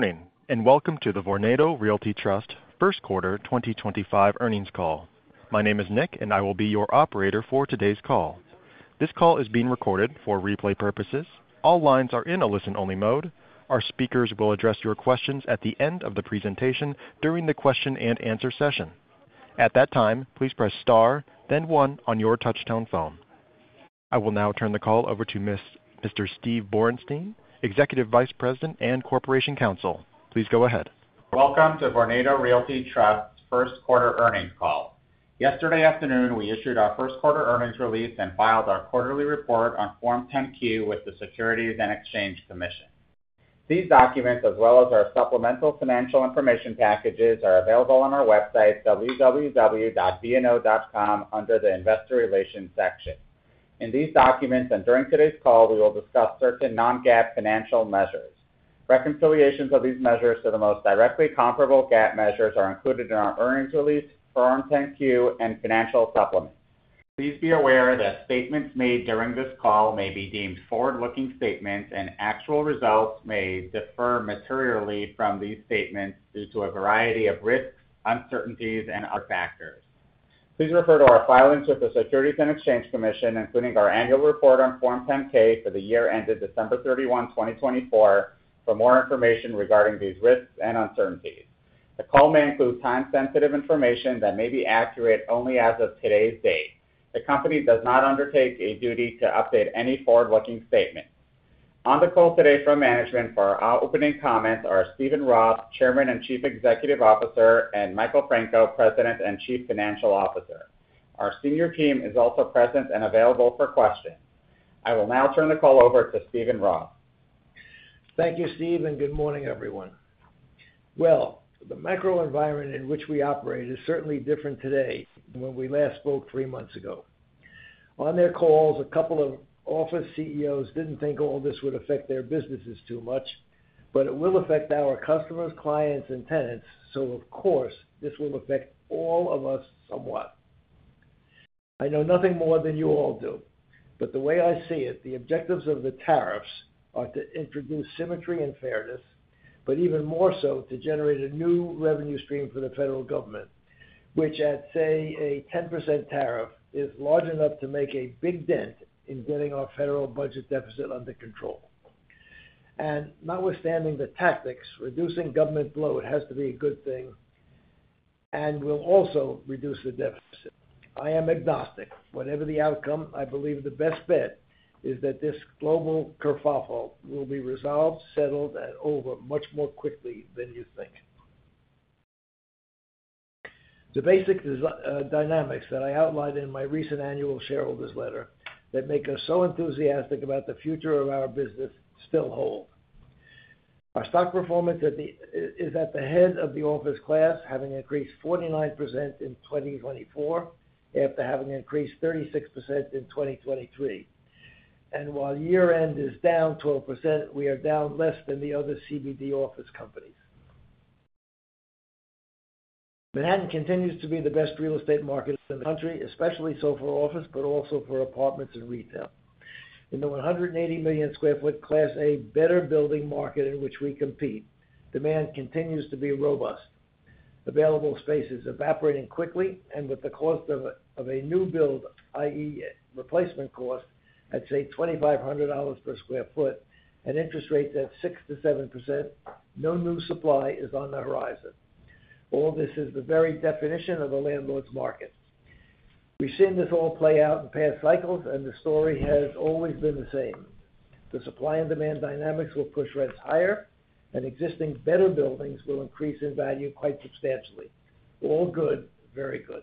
Morning, and welcome to the Vornado Realty Trust First Quarter 2025 Earnings Call. My name is Nick, and I will be your operator for today's call. This call is being recorded for replay purposes. All lines are in a listen-only mode. Our speakers will address your questions at the end of the presentation during the question-and-answer session. At that time, please press star, then one on your touch-tone phone. I will now turn the call over to Mr. Steve Borenstein, Executive Vice President and Corporate Counsel. Please go ahead. Welcome to Alexander's First Quarter Earnings Call. Yesterday afternoon, we issued our first quarter earnings release and filed our quarterly report on Form 10-Q with the Securities and Exchange Commission. These documents, as well as our supplemental financial information packages, are available on our website, www.vno.com, under the investor relations section. In these documents and during today's call, we will discuss certain non-GAAP financial measures. Reconciliations of these measures to the most directly comparable GAAP measures are included in our earnings release, Form 10-Q, and financial supplements. Please be aware that statements made during this call may be deemed forward-looking statements, and actual results may differ materially from these statements due to a variety of risks, uncertainties, and other factors. Please refer to our filings with the Securities and Exchange Commission, including our annual report on Form 10K for the year ended December 31, 2024, for more information regarding these risks and uncertainties. The call may include time-sensitive information that may be accurate only as of today's date. The company does not undertake a duty to update any forward-looking statements. On the call today from management for our opening comments are Steven Roth, Chairman and Chief Executive Officer, and Michael Franco, President and Chief Financial Officer. Our senior team is also present and available for questions. I will now turn the call over to Steven Roth. Thank you, Steve, and good morning, everyone. The microenvironment in which we operate is certainly different today than when we last spoke three months ago. On their calls, a couple of office CEOs did not think all this would affect their businesses too much, but it will affect our customers, clients, and tenants. Of course, this will affect all of us somewhat. I know nothing more than you all do, but the way I see it, the objectives of the tariffs are to introduce symmetry and fairness, but even more so to generate a new revenue stream for the federal government, which, at say, a 10% tariff, is large enough to make a big dent in getting our federal budget deficit under control. Notwithstanding the tactics, reducing government bloat has to be a good thing and will also reduce the deficit. I am agnostic. Whatever the outcome, I believe the best bet is that this global kerfuffle will be resolved, settled, and over much more quickly than you think. The basic dynamics that I outlined in my recent annual shareholders' letter that make us so enthusiastic about the future of our business still hold. Our stock performance is at the head of the office class, having increased 49% in 2024 after having increased 36% in 2023. While year-end is down 12%, we are down less than the other CBD office companies. Manhattan continues to be the best real estate market in the country, especially so for office, but also for apartments and retail. In the 180 million sq ft Class A better building market in which we compete, demand continues to be robust. Available space is evaporating quickly, and with the cost of a new build, i.e., replacement cost at say $2,500 per sq ft and interest rates at 6%-7%, no new supply is on the horizon. All this is the very definition of a landlord's market. We've seen this all play out in past cycles, and the story has always been the same. The supply and demand dynamics will push rents higher, and existing better buildings will increase in value quite substantially. All good, very good.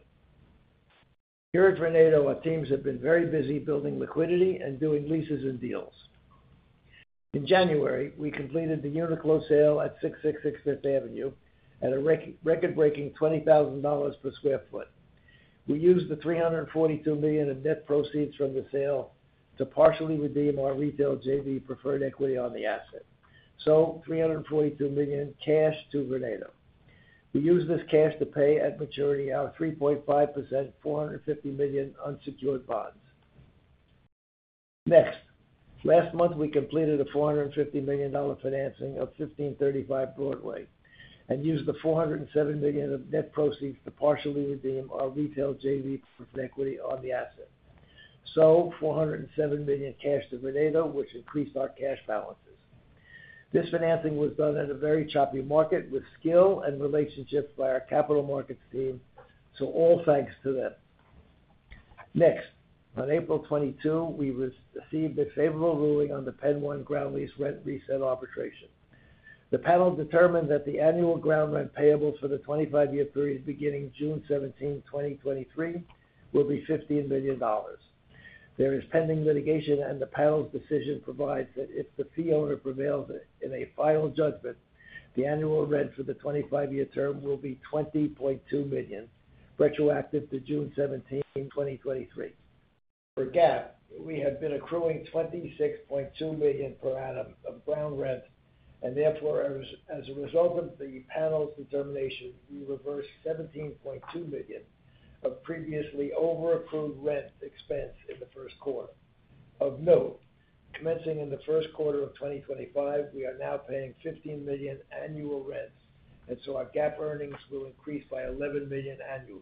Here at Alexander's, our teams have been very busy building liquidity and doing leases and deals. In January, we completed the unit close sale at 666 Fifth Avenue at a record-breaking $20,000 per sq ft. We used the $342 million in net proceeds from the sale to partially redeem our retail JV preferred equity on the asset. $342 million cash to Alexander's. We used this cash to pay at maturity our 3.5%, $450 million unsecured bonds. Next, last month, we completed a $450 million financing of 1535 Broadway and used the $407 million of net proceeds to partially redeem our retail JV preferred equity on the asset. So, $407 million cash to Alexander's, which increased our cash balances. This financing was done at a very choppy market with skill and relationships by our capital markets team, so all thanks to them. Next, on April 22, we received a favorable ruling on the PENN 1 ground lease rent reset arbitration. The panel determined that the annual ground rent payable for the 25-year period beginning June 17, 2023, will be $15 million. There is pending litigation, and the panel's decision provides that if the fee owner prevails in a final judgment, the annual rent for the 25-year term will be $20.2 million retroactive to June 17, 2023. For GAAP, we have been accruing $26.2 million per annum of ground rent, and therefore, as a result of the panel's determination, we reversed $17.2 million of previously over-accrued rent expense in the first quarter. Of note, commencing in the first quarter of 2025, we are now paying $15 million annual rent, and so our GAAP earnings will increase by $11 million annually.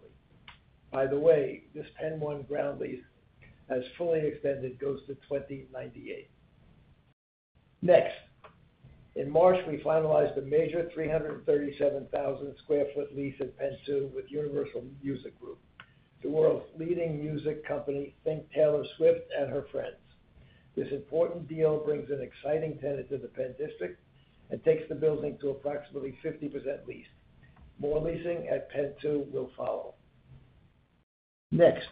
By the way, this PENN 1 ground lease has fully extended goes to 2098. Next, in March, we finalized a major 337,000 sq ft lease at PENN 2 with Universal Music Group, the world's leading music company, thank Taylor Swift and her friends. This important deal brings an exciting tenant to the PENN District and takes the building to approximately 50% lease. More leasing at PENN 2 will follow. Next,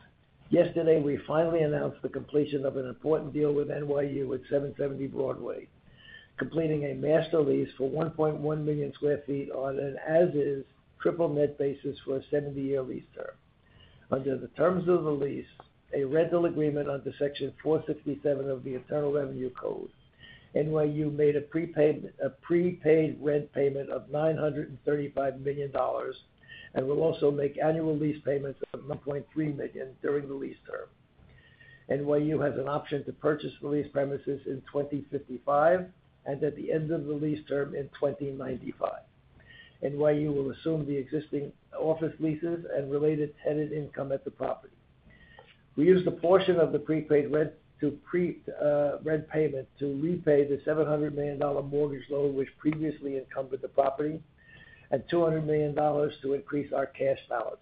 yesterday, we finally announced the completion of an important deal with NYU at 770 Broadway, completing a master lease for 1.1 million sq ft on an as-is triple-net basis for a 70-year lease term. Under the terms of the lease, a rental agreement under Section 467 of the Internal Revenue Code, NYU made a prepaid rent payment of $935 million and will also make annual lease payments of $1.3 million during the lease term. NYU has an option to purchase the lease premises in 2055 and at the end of the lease term in 2095. NYU will assume the existing office leases and related tenant income at the property. We used a portion of the prepaid rent payment to repay the $700 million mortgage loan, which previously encumbered the property, and $200 million to increase our cash balances.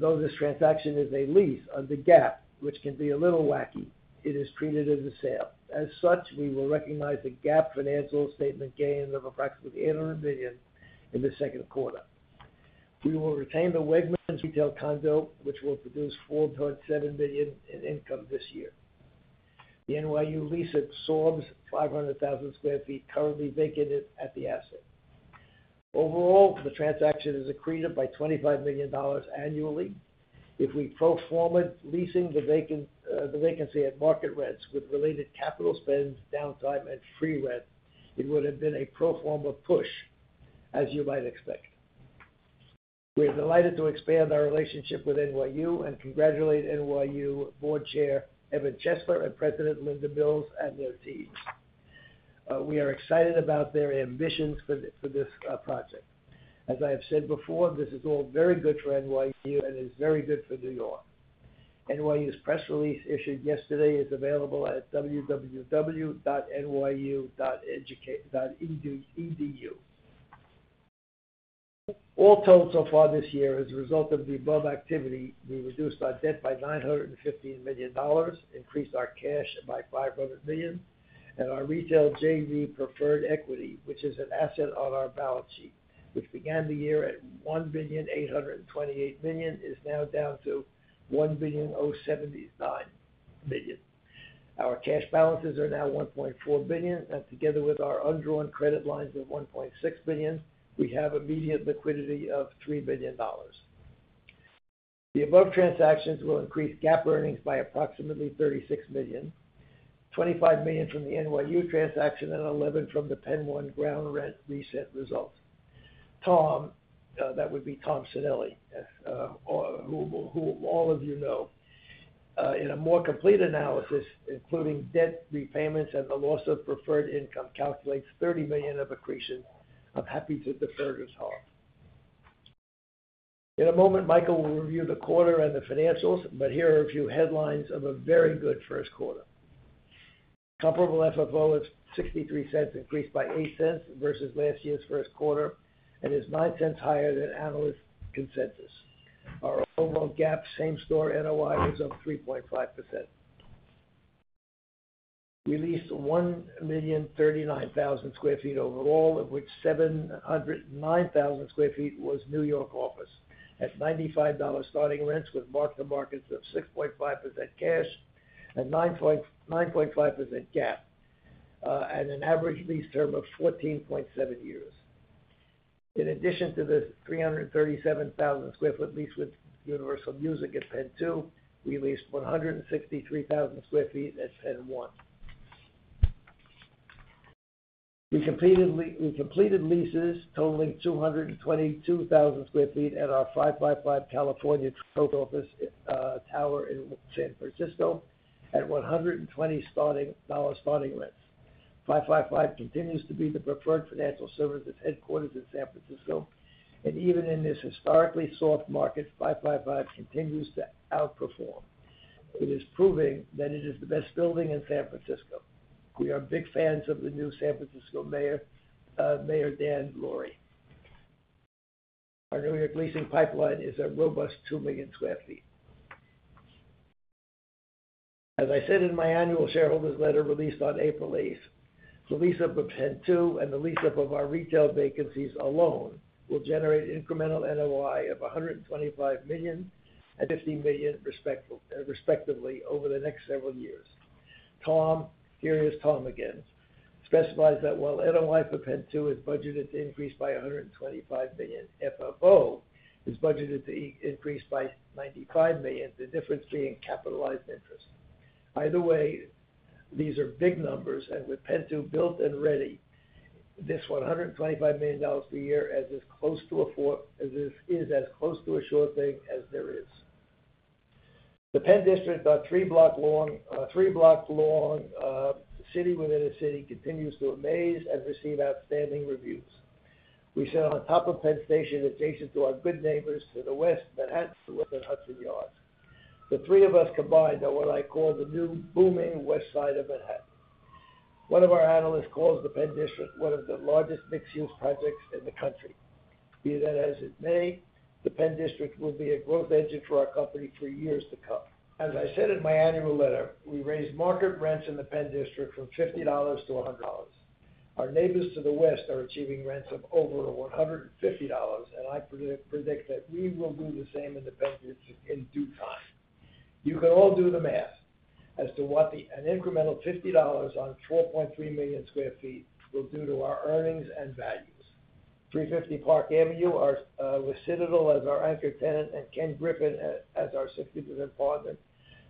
Though this transaction is a lease under GAAP, which can be a little wacky, it is treated as a sale. As such, we will recognize the GAAP financial statement gain of approximately $800 million in the second quarter. We will retain the Wegmans retail condo, which will produce $4.7 million in income this year. The NYU lease absorbs 500,000 sq ft currently vacated at the asset. Overall, the transaction is accretive by $25 million annually. If we pro-formed leasing the vacancy at market rents with related capital spend, downtime, and free rent, it would have been a pro-forma push, as you might expect. We are delighted to expand our relationship with NYU and congratulate NYU Board Chair Evan Chesler and President Linda Mills and their teams. We are excited about their ambitions for this project. As I have said before, this is all very good for NYU and is very good for New York. NYU's press release issued yesterday is available at www.nyu.edu. All told so far this year, as a result of the above activity, we reduced our debt by $915 million, increased our cash by $500 million, and our retail JV preferred equity, which is an asset on our balance sheet, which began the year at $1,828 million, is now down to $1,079 million. Our cash balances are now $1.4 billion, and together with our undrawn credit lines of $1.6 billion, we have immediate liquidity of $3 billion. The above transactions will increase GAAP earnings by approximately $36 million, $25 million from the NYU transaction, and $11 million from the PENN 1 ground rent reset result. Tom, that would be Tom Sanelli, who all of you know, in a more complete analysis, including debt repayments and the loss of preferred income, calculates $30 million of accretion. I'm happy to defer to Tom. In a moment, Michael will review the quarter and the financials, but here are a few headlines of a very good first quarter. Comparable FFO of $0.63 increased by $0.08 versus last year's first quarter and is $0.09 higher than analyst consensus. Our overall GAAP same-store NOI was of 3.5%. We leased 1,039,000 sq ft overall, of which 709,000 sq ft was New York office at $95 starting rents with mark-to-markets of 6.5% cash and 9.5% GAAP, and an average lease term of 14.7 years. In addition to the 337,000 sq ft lease with Universal Music Group at PENN 2, we leased 163,000 sq ft at PENN 1. We completed leases totaling 222,000 sq ft at our 555 California Tower in San Francisco at $120 starting rents. 555 continues to be the preferred financial services headquarters in San Francisco, and even in this historically soft market, 555 continues to outperform. It is proving that it is the best building in San Francisco. We are big fans of the new San Francisco Mayor, Mayor Dan Lurie. Our New York leasing pipeline is a robust 2 million sq ft. As I said in my annual shareholders' letter released on April 8, the lease of PENN 2 and the lease of our retail vacancies alone will generate incremental NOI of $125 million and $150 million respectively over the next several years. Tom, here is Tom again, specifies that while NOI for PENN 2 is budgeted to increase by $125 million, FFO is budgeted to increase by $95 million, the difference being capitalized interest. Either way, these are big numbers, and with PENN 2 built and ready, this $125 million per year is as close to a sure thing as there is. The PENN District, our three-block long city within a city, continues to amaze and receive outstanding reviews. We sit on top of PENN Station, adjacent to our good neighbors to the west, Manhattan, the West and Hudson Yards. The three of us combined are what I call the new booming west side of Manhattan. One of our analysts calls the PENN District one of the largest mixed-use projects in the country. Be that as it may, the PENN District will be a growth engine for our company for years to come. As I said in my annual letter, we raised market rents in the PENN District from $50 to $100. Our neighbors to the west are achieving rents of over $150, and I predict that we will do the same in the PENN District in due time. You can all do the math as to what an incremental $50 on 4.3 million sq ft will do to our earnings and values. 350 Park Avenue, our recidival as our anchor tenant and Ken Griffin as our executive department,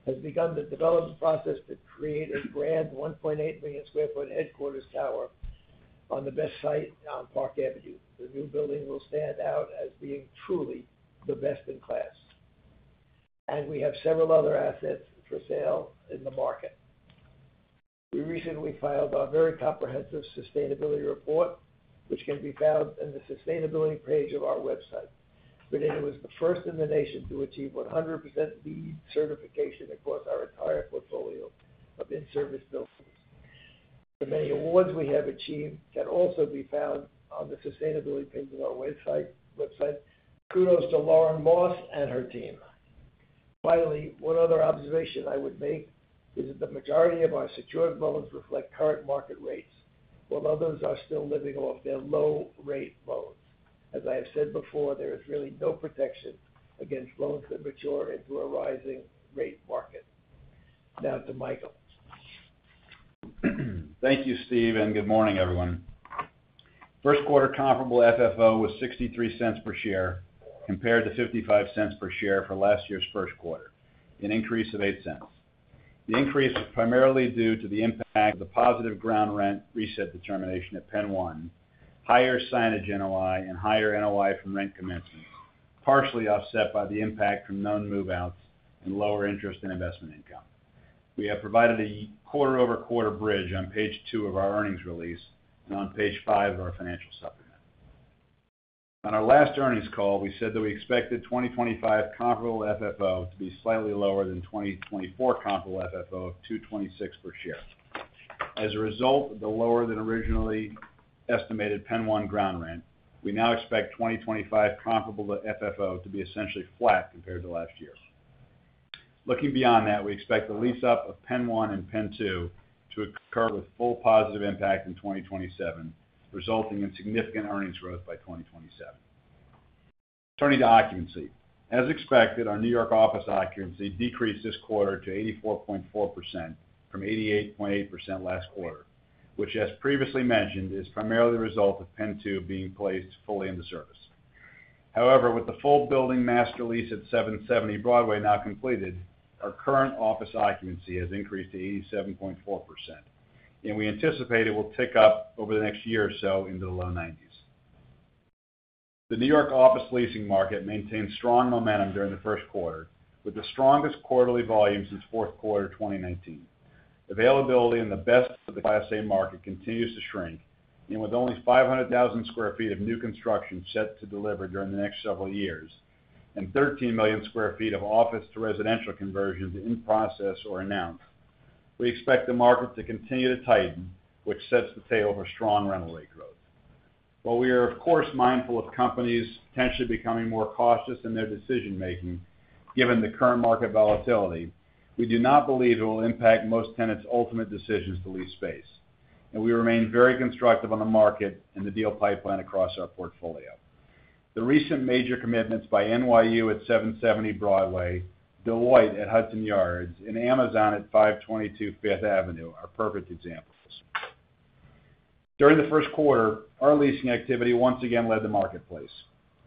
has begun the development process to create a grand 1.8 million sq ft headquarters tower on the best site on Park Avenue. The new building will stand out as being truly the best in class. We have several other assets for sale in the market. We recently filed our very comprehensive sustainability report, which can be found in the sustainability page of our website. It was the first in the nation to achieve 100% LEED certification across our entire portfolio of in-service buildings. The many awards we have achieved can also be found on the sustainability page of our website. Kudos to Lauren Moss and her team. Finally, one other observation I would make is that the majority of our secured loans reflect current market rates, while others are still living off their low-rate loans. As I have said before, there is really no protection against loans that mature into a rising rate market. Now to Michael. Thank you, Steve, and good morning, everyone. First quarter comparable FFO was $0.63 per share compared to $0.55 per share for last year's first quarter, an increase of $0.08. The increase was primarily due to the impact of the positive ground rent reset determination at PENN 1, higher signage NOI, and higher NOI from rent commencement, partially offset by the impact from known move-outs and lower interest and investment income. We have provided a quarter-over-quarter bridge on page two of our earnings release and on page five of our financial supplement. On our last earnings call, we said that we expected 2025 comparable FFO to be slightly lower than 2024 comparable FFO of $2.26 per share. As a result of the lower than originally estimated PENN 1 ground rent, we now expect 2025 comparable FFO to be essentially flat compared to last year. Looking beyond that, we expect the lease-up of PENN 1 and PENN 2 to occur with full positive impact in 2027, resulting in significant earnings growth by 2027. Turning to occupancy, as expected, our New York office occupancy decreased this quarter to 84.4% from 88.8% last quarter, which, as previously mentioned, is primarily the result of PENN 2 being placed fully in the service. However, with the full building master lease at 770 Broadway now completed, our current office occupancy has increased to 87.4%, and we anticipate it will tick up over the next year or so into the low 90s. The New York office leasing market maintained strong momentum during the first quarter, with the strongest quarterly volume since fourth quarter 2019. Availability in the best of the class A market continues to shrink, and with only 500,000 sq ft of new construction set to deliver during the next several years and 13 million sq ft of office to residential conversions in process or announced, we expect the market to continue to tighten, which sets the tale for strong rental rate growth. While we are, of course, mindful of companies potentially becoming more cautious in their decision-making given the current market volatility, we do not believe it will impact most tenants' ultimate decisions to lease space, and we remain very constructive on the market and the deal pipeline across our portfolio. The recent major commitments by NYU at 770 Broadway, Deloitte at Hudson Yards, and Amazon at 522 Fifth Avenue are perfect examples. During the first quarter, our leasing activity once again led the marketplace.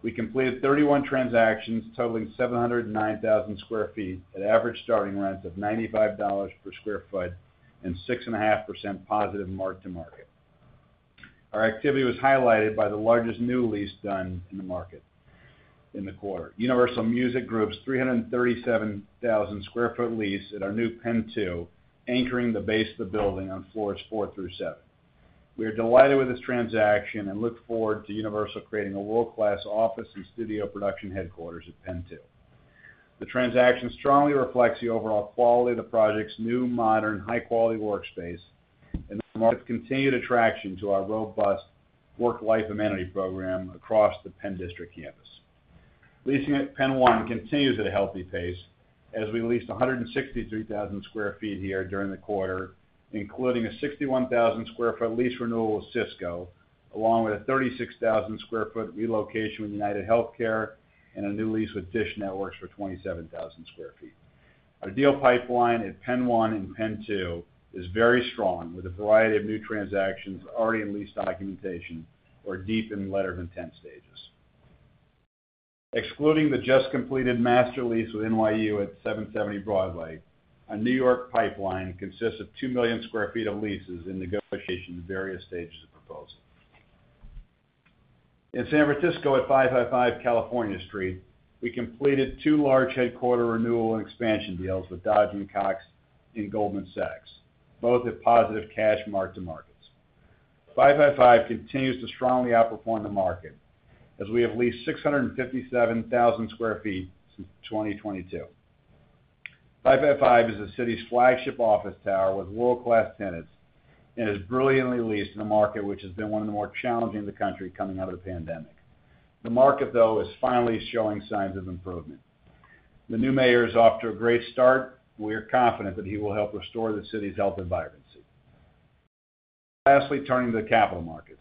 We completed 31 transactions totaling 709,000 sq ft at average starting rents of $95 per sq ft and 6.5% positive mark-to-market. Our activity was highlighted by the largest new lease done in the market in the quarter. Universal Music Group's 337,000 sq ft lease at our new PENN 2, anchoring the base of the building on floors four through seven. We are delighted with this transaction and look forward to Universal creating a world-class office and studio production headquarters at PENN 2. The transaction strongly reflects the overall quality of the project's new, modern, high-quality workspace and the market's continued attraction to our robust work-life amenity program across the PENN District campus. Leasing at PENN 1 continues at a healthy pace as we leased 163,000 sq ft here during the quarter, including a 61,000 sq ft lease renewal with Cisco, along with a 36,000 sq ft relocation with UnitedHealthcare and a new lease with Dish Network for 27,000 sq ft. Our deal pipeline at PENN 1 and PENN 2 is very strong, with a variety of new transactions already in lease documentation or deep in letter of intent stages. Excluding the just completed master lease with NYU at 770 Broadway, our New York pipeline consists of 2 million sq ft of leases in negotiation at various stages of proposal. In San Francisco at 555 California Street, we completed two large headquarter renewal and expansion deals with Dodge & Cox and Goldman Sachs, both at positive cash mark-to-markets. 555 continues to strongly outperform the market as we have leased 657,000 sq ft since 2022. 555 is the city's flagship office tower with world-class tenants and is brilliantly leased in a market which has been one of the more challenging in the country coming out of the pandemic. The market, though, is finally showing signs of improvement. The new mayor is off to a great start, and we are confident that he will help restore the city's health and vibrancy. Lastly, turning to the capital markets.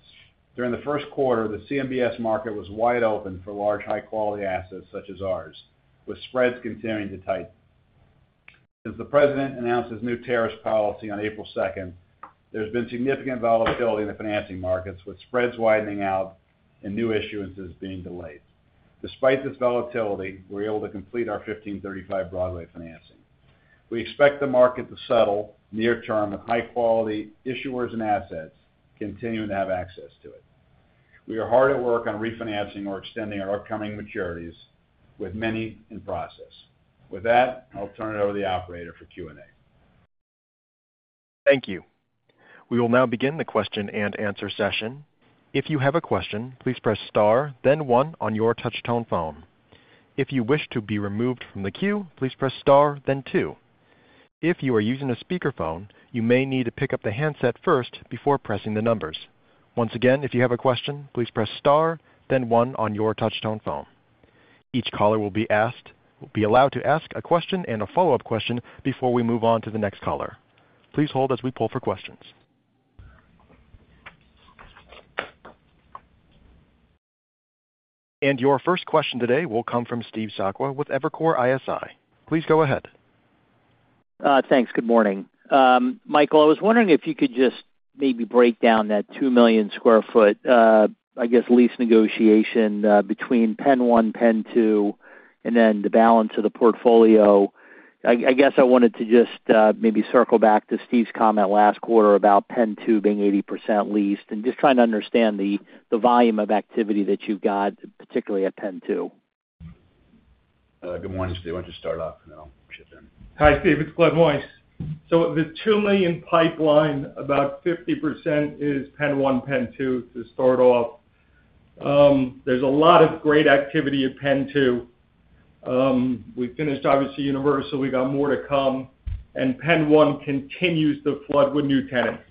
During the first quarter, the CMBS market was wide open for large high-quality assets such as ours, with spreads continuing to tighten. Since the president announced his new tariffs policy on April 2, there's been significant volatility in the financing markets, with spreads widening out and new issuances being delayed. Despite this volatility, we're able to complete our 1535 Broadway financing. We expect the market to settle near term with high-quality issuers and assets continuing to have access to it. We are hard at work on refinancing or extending our upcoming maturities, with many in process. With that, I'll turn it over to the operator for Q&A. Thank you. We will now begin the question and answer session. If you have a question, please press star, then one on your touch-tone phone. If you wish to be removed from the queue, please press star, then two. If you are using a speakerphone, you may need to pick up the handset first before pressing the numbers. Once again, if you have a question, please press star, then one on your touch-tone phone. Each caller will be allowed to ask a question and a follow-up question before we move on to the next caller. Please hold as we pull for questions. Your first question today will come from Steve Sakwa with Evercore ISI. Please go ahead. Thanks. Good morning. Michael, I was wondering if you could just maybe break down that 2 million sq ft, I guess, lease negotiation between PENN 1, PENN 2, and then the balance of the portfolio. I guess I wanted to just maybe circle back to Steve's comment last quarter about PENN 2 being 80% leased and just trying to understand the volume of activity that you've got, particularly at PENN 2. Good morning, Steve. I want you to start off, and then I'll chip in. Hi, Steve. It's Glen Weiss. The 2 million pipeline, about 50% is PENN 1, PENN 2 to start off. There's a lot of great activity at PENN 2. We finished, obviously, Universal. We got more to come. PENN 1 continues to flood with new tenants.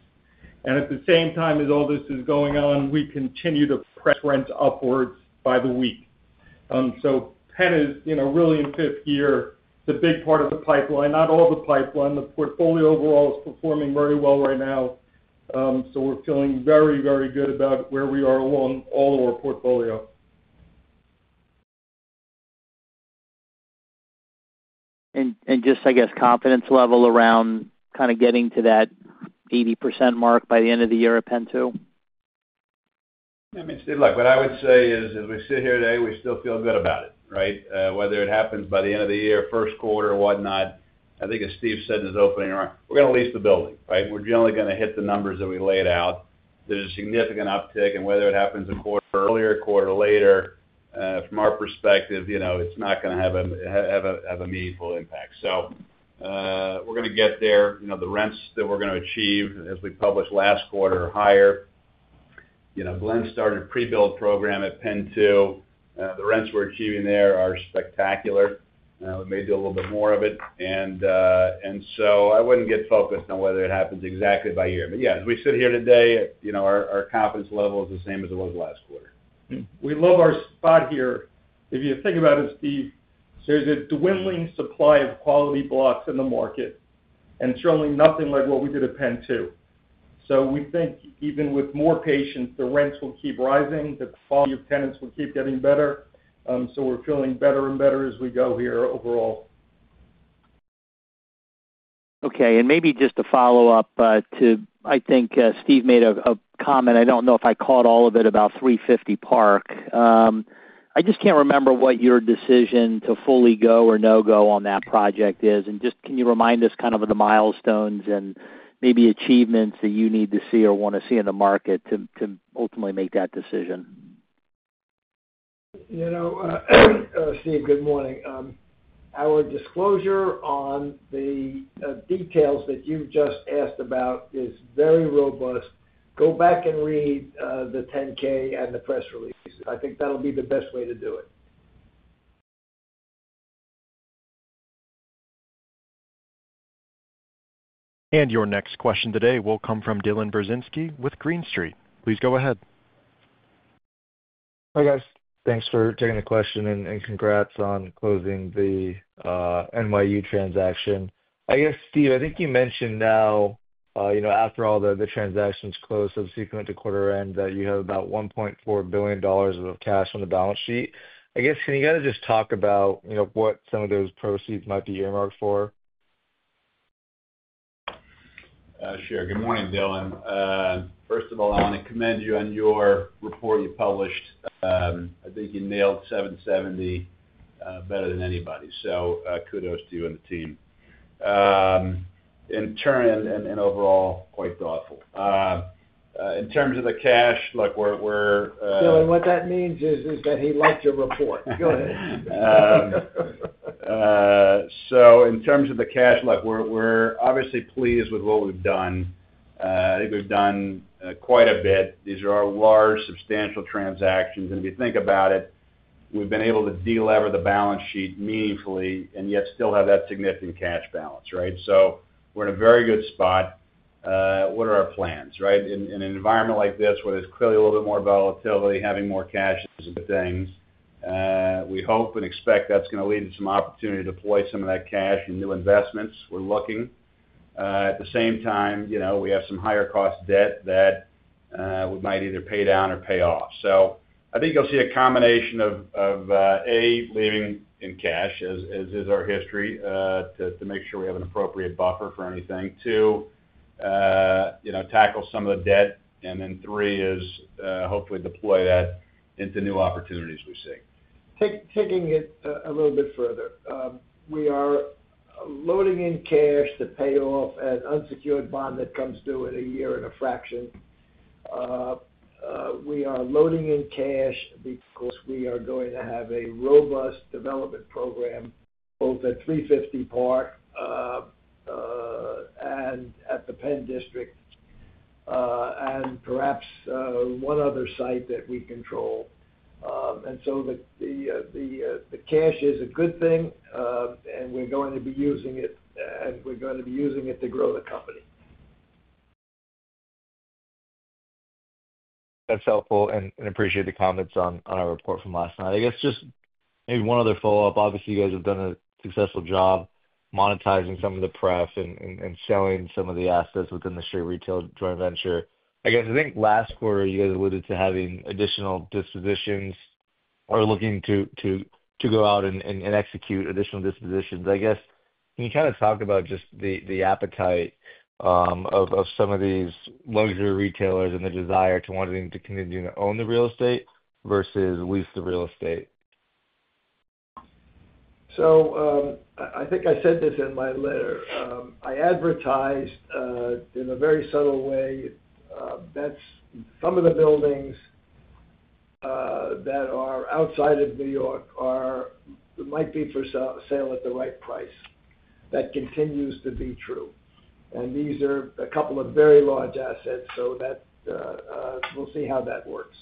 At the same time as all this is going on, we continue to press rents upwards by the week. PENN is really in fifth year. It's a big part of the pipeline, not all the pipeline. The portfolio overall is performing very well right now. We're feeling very, very good about where we are along all of our portfolio. I guess, confidence level around kind of getting to that 80% mark by the end of the year at PENN 2? I mean, Steve, what I would say is, as we sit here today, we still feel good about it, right? Whether it happens by the end of the year, first quarter, whatnot, I think, as Steve said in his opening, we're going to lease the building, right? We're generally going to hit the numbers that we laid out. There's a significant uptick, and whether it happens a quarter earlier, a quarter later, from our perspective, it's not going to have a meaningful impact. We're going to get there. The rents that we're going to achieve, as we published last quarter, are higher. Glen started a pre-build program at PENN 2. The rents we're achieving there are spectacular. We may do a little bit more of it. I wouldn't get focused on whether it happens exactly by year. Yeah, as we sit here today, our confidence level is the same as it was last quarter. We love our spot here. If you think about it, Steve, there's a dwindling supply of quality blocks in the market, and it's really nothing like what we did at PENN 2. We think, even with more patience, the rents will keep rising, the quality of tenants will keep getting better. We're feeling better and better as we go here overall. Okay. Maybe just to follow up too, I think Steve made a comment. I do not know if I caught all of it about 350 Park. I just cannot remember what your decision to fully go or no-go on that project is. Can you remind us kind of of the milestones and maybe achievements that you need to see or want to see in the market to ultimately make that decision? Steve, good morning. Our disclosure on the details that you've just asked about is very robust. Go back and read the 10-K and the press release. I think that'll be the best way to do it. Your next question today will come from Dylan Berzinski with Green Street. Please go ahead. Hi, guys. Thanks for taking the question and congrats on closing the NYU transaction. I guess, Steve, I think you mentioned now, after all the transactions close subsequent to quarter end, that you have about $1.4 billion of cash on the balance sheet. I guess, can you guys just talk about what some of those proceeds might be earmarked for? Sure. Good morning, Dylan. First of all, I want to commend you on your report you published. I think you nailed 770 better than anybody. Kudos to you and the team. In turn and overall, quite thoughtful. In terms of the cash, look, we're. Dylan, what that means is that he liked your report. Go ahead. In terms of the cash, look, we're obviously pleased with what we've done. I think we've done quite a bit. These are our large, substantial transactions. If you think about it, we've been able to delever the balance sheet meaningfully and yet still have that significant cash balance, right? We're in a very good spot. What are our plans, right? In an environment like this, where there's clearly a little bit more volatility, having more cash is a good thing. We hope and expect that's going to lead to some opportunity to deploy some of that cash in new investments. We're looking. At the same time, we have some higher-cost debt that we might either pay down or pay off. I think you'll see a combination of, A, leaving in cash, as is our history, to make sure we have an appropriate buffer for anything. Two, tackle some of the debt. Three, is hopefully deploy that into new opportunities we see. Taking it a little bit further, we are loading in cash to pay off an unsecured bond that comes due in a year and a fraction. We are loading in cash because we are going to have a robust development program both at 350 Park and at the PENN District and perhaps one other site that we control. The cash is a good thing, and we're going to be using it, and we're going to be using it to grow the company. That's helpful, and appreciate the comments on our report from last night. I guess just maybe one other follow-up. Obviously, you guys have done a successful job monetizing some of the prep and selling some of the assets within the share retail joint venture. I guess, I think last quarter, you guys alluded to having additional dispositions or looking to go out and execute additional dispositions. I guess, can you kind of talk about just the appetite of some of these luxury retailers and the desire to wanting to continue to own the real estate versus lease the real estate? I think I said this in my letter. I advertised in a very subtle way that some of the buildings that are outside of New York might be for sale at the right price. That continues to be true. These are a couple of very large assets, so we'll see how that works.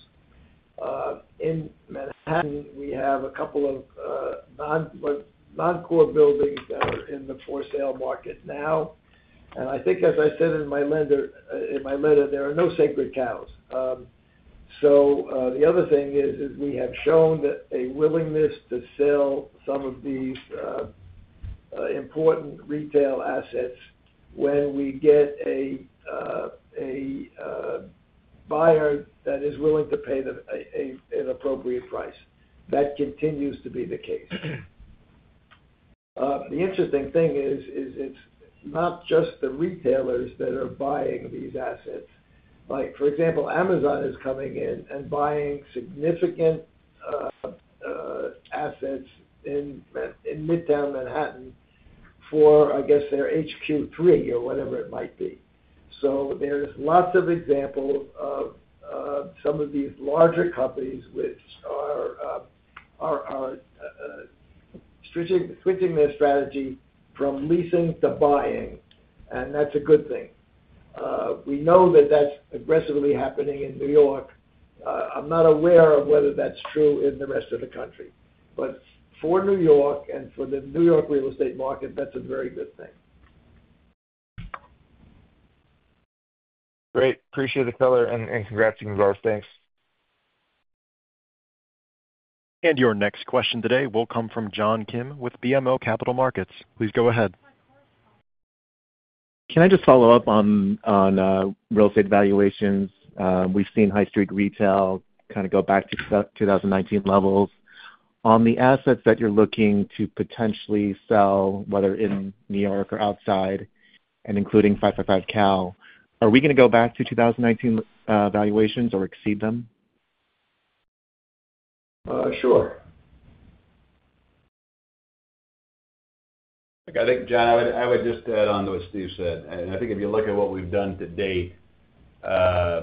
In Manhattan, we have a couple of non-core buildings that are in the for sale market now. I think, as I said in my letter, there are no sacred cows. The other thing is we have shown a willingness to sell some of these important retail assets when we get a buyer that is willing to pay an appropriate price. That continues to be the case. The interesting thing is it's not just the retailers that are buying these assets. For example, Amazon is coming in and buying significant assets in Midtown Manhattan for, I guess, their HQ3 or whatever it might be. There are lots of examples of some of these larger companies which are switching their strategy from leasing to buying, and that's a good thing. We know that that's aggressively happening in New York. I'm not aware of whether that's true in the rest of the country. For New York and for the New York real estate market, that's a very good thing. Great. Appreciate the color and congrats to you both. Thanks. Your next question today will come from John Kim with BMO Capital Markets. Please go ahead. Can I just follow up on real estate valuations? We've seen high street retail kind of go back to 2019 levels. On the assets that you're looking to potentially sell, whether in New York or outside and including 555 California, are we going to go back to 2019 valuations or exceed them? Sure. I think, John, I would just add on to what Steve said. I think if you look at what we've done to date, I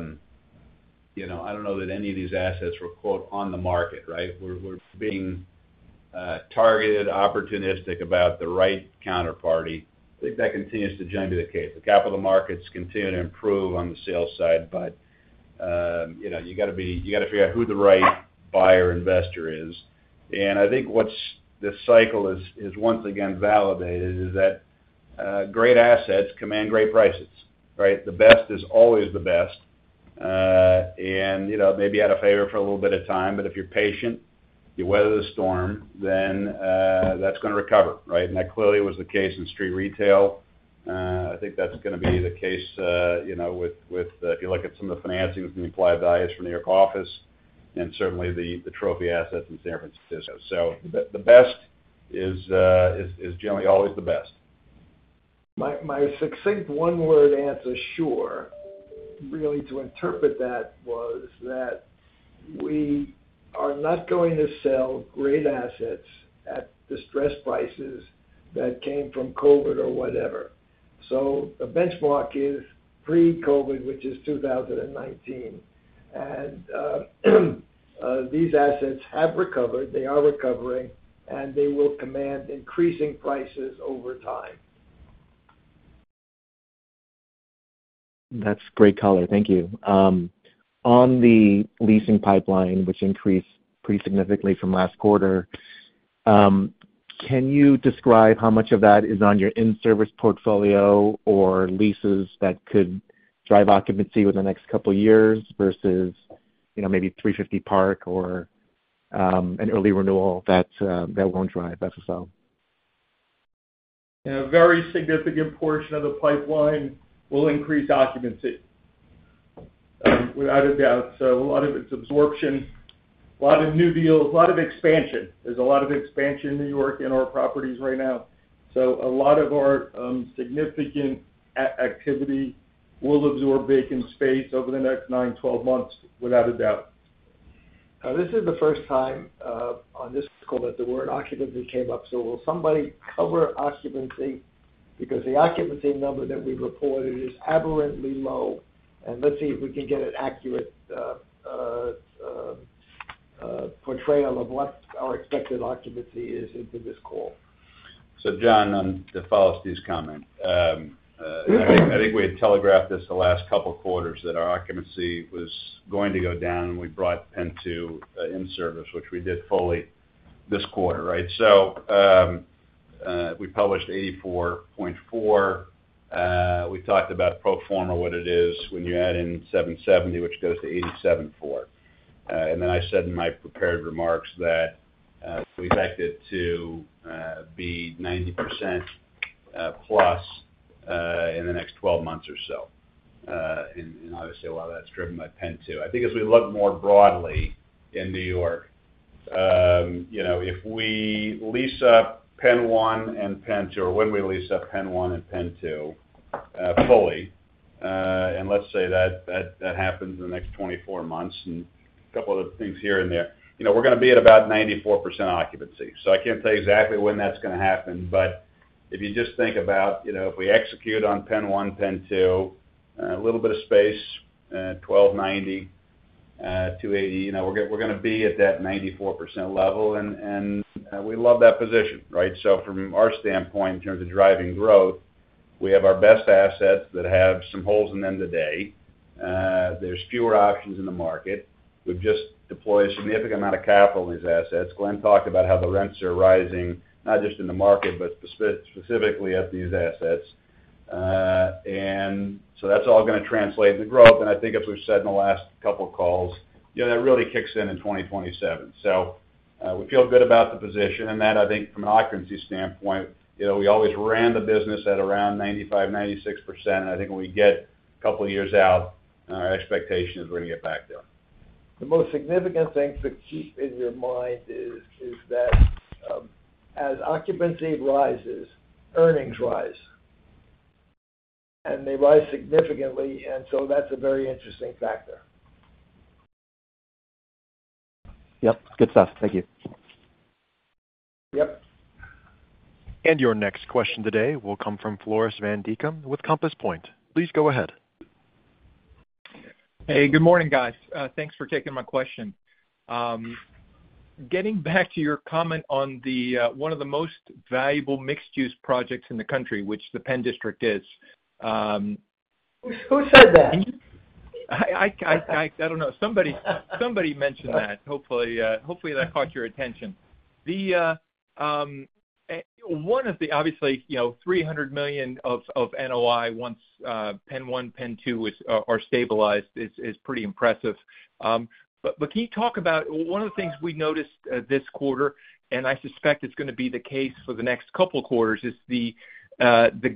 do not know that any of these assets were quote on the market, right? We are being targeted, opportunistic about the right counterparty. I think that continues to generally be the case. The capital markets continue to improve on the sales side, but you have to figure out who the right buyer investor is. I think what the cycle has once again validated is that great assets command great prices, right? The best is always the best. Maybe you had a favor for a little bit of time, but if you are patient, you weather the storm, that is going to recover, right? That clearly was the case in street retail. I think that's going to be the case with if you look at some of the financings and the implied values from New York office and certainly the trophy assets in San Francisco. The best is generally always the best. My succinct one-word answer, sure. Really, to interpret that was that we are not going to sell great assets at distressed prices that came from COVID or whatever. The benchmark is pre-COVID, which is 2019. These assets have recovered. They are recovering, and they will command increasing prices over time. That's great color. Thank you. On the leasing pipeline, which increased pretty significantly from last quarter, can you describe how much of that is on your in-service portfolio or leases that could drive occupancy within the next couple of years versus maybe 350 Park or an early renewal that won't drive SSL? A very significant portion of the pipeline will increase occupancy without a doubt. A lot of it is absorption, a lot of new deals, a lot of expansion. There is a lot of expansion in New York and our properties right now. A lot of our significant activity will absorb vacant space over the next 9-12 months without a doubt. This is the first time on this call that the word occupancy came up. Will somebody cover occupancy? The occupancy number that we reported is aberrantly low. Let's see if we can get an accurate portrayal of what our expected occupancy is into this call. John, to follow Steve's comment, I think we had telegraphed this the last couple of quarters that our occupancy was going to go down, and we brought PENN 2 in service, which we did fully this quarter, right? We published 84.4%. We talked about pro forma, what it is when you add in 770, which goes to 87.4%. I said in my prepared remarks that we've acted to be 90% plus in the next 12 months or so. Obviously, a lot of that's driven by PENN 2. I think as we look more broadly in New York, if we lease up PENN 1 and PENN 2, or when we lease up PENN 1 and PENN 2 fully, and let's say that happens in the next 24 months and a couple of other things here and there, we're going to be at about 94% occupancy. I can't tell you exactly when that's going to happen, but if you just think about if we execute on PENN 1, PENN 2, a little bit of space, 1290, 280, we're going to be at that 94% level, and we love that position, right? From our standpoint, in terms of driving growth, we have our best assets that have some holes in them today. There are fewer options in the market. We've just deployed a significant amount of capital in these assets. Glen talked about how the rents are rising, not just in the market, but specifically at these assets. That's all going to translate into growth. I think, as we've said in the last couple of calls, that really kicks in in 2027. We feel good about the position. I think, from an occupancy standpoint, we always ran the business at around 95%-96%. I think when we get a couple of years out, our expectation is we're going to get back there. The most significant thing to keep in your mind is that as occupancy rises, earnings rise. They rise significantly. That is a very interesting factor. Yep. Good stuff. Thank you. Yep. Your next question today will come from Floris van Dijkum with Compass Point. Please go ahead. Hey, good morning, guys. Thanks for taking my question. Getting back to your comment on one of the most valuable mixed-use projects in the country, which the PENN District is. Who said that? I don't know. Somebody mentioned that. Hopefully, that caught your attention. One of the, obviously, $300 million of NOI once PENN 1, PENN 2 are stabilized is pretty impressive. Can you talk about one of the things we noticed this quarter, and I suspect it's going to be the case for the next couple of quarters, is the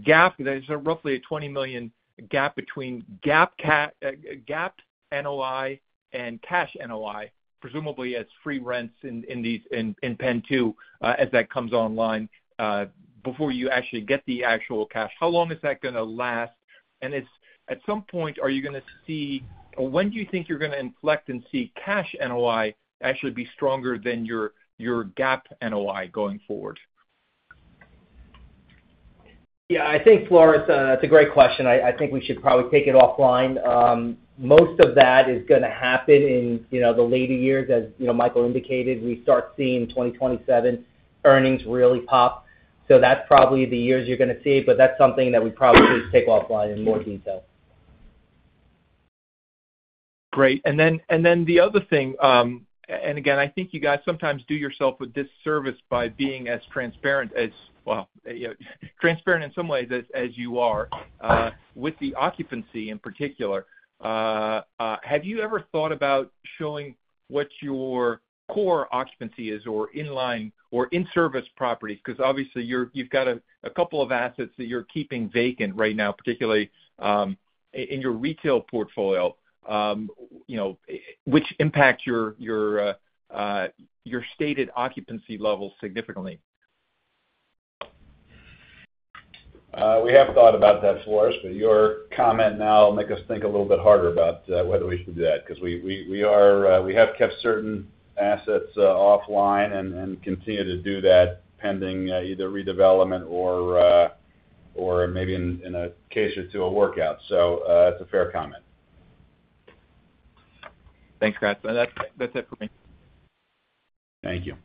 gap. There's roughly a $20 million gap between GAAP NOI and cash NOI, presumably as free rents in PENN 2 as that comes online before you actually get the actual cash. How long is that going to last? At some point, are you going to see or when do you think you're going to inflect and see cash NOI actually be stronger than your GAAP NOI going forward? Yeah. I think, Floris, that's a great question. I think we should probably take it offline. Most of that is going to happen in the later years. As Michael indicated, we start seeing 2027 earnings really pop. That's probably the years you're going to see it, but that's something that we probably should take offline in more detail. Great. The other thing, and again, I think you guys sometimes do yourself a disservice by being as transparent as, well, transparent in some ways as you are with the occupancy in particular. Have you ever thought about showing what your core occupancy is or inline or in-service properties? Because obviously, you've got a couple of assets that you're keeping vacant right now, particularly in your retail portfolio, which impact your stated occupancy level significantly. We have thought about that, Floris, but your comment now makes us think a little bit harder about whether we should do that because we have kept certain assets offline and continue to do that pending either redevelopment or maybe in a case or two of workout. That is a fair comment. Thanks, Grant. That's it for me. Thank you.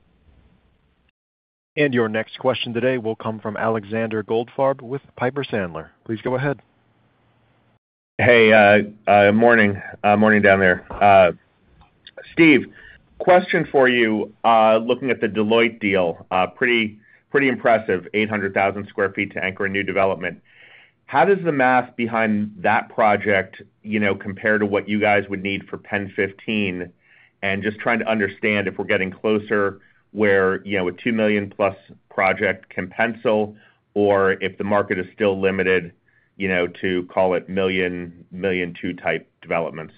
Your next question today will come from Alexander Goldfarb with Piper Sandler. Please go ahead. Hey. Morning. Morning down there. Steve, question for you looking at the Deloitte deal. Pretty impressive. 800,000 sq ft to anchor a new development. How does the math behind that project compare to what you guys would need for PENN 15? Just trying to understand if we're getting closer with a 2 million plus project can pencil or if the market is still limited to, call it, million two type developments.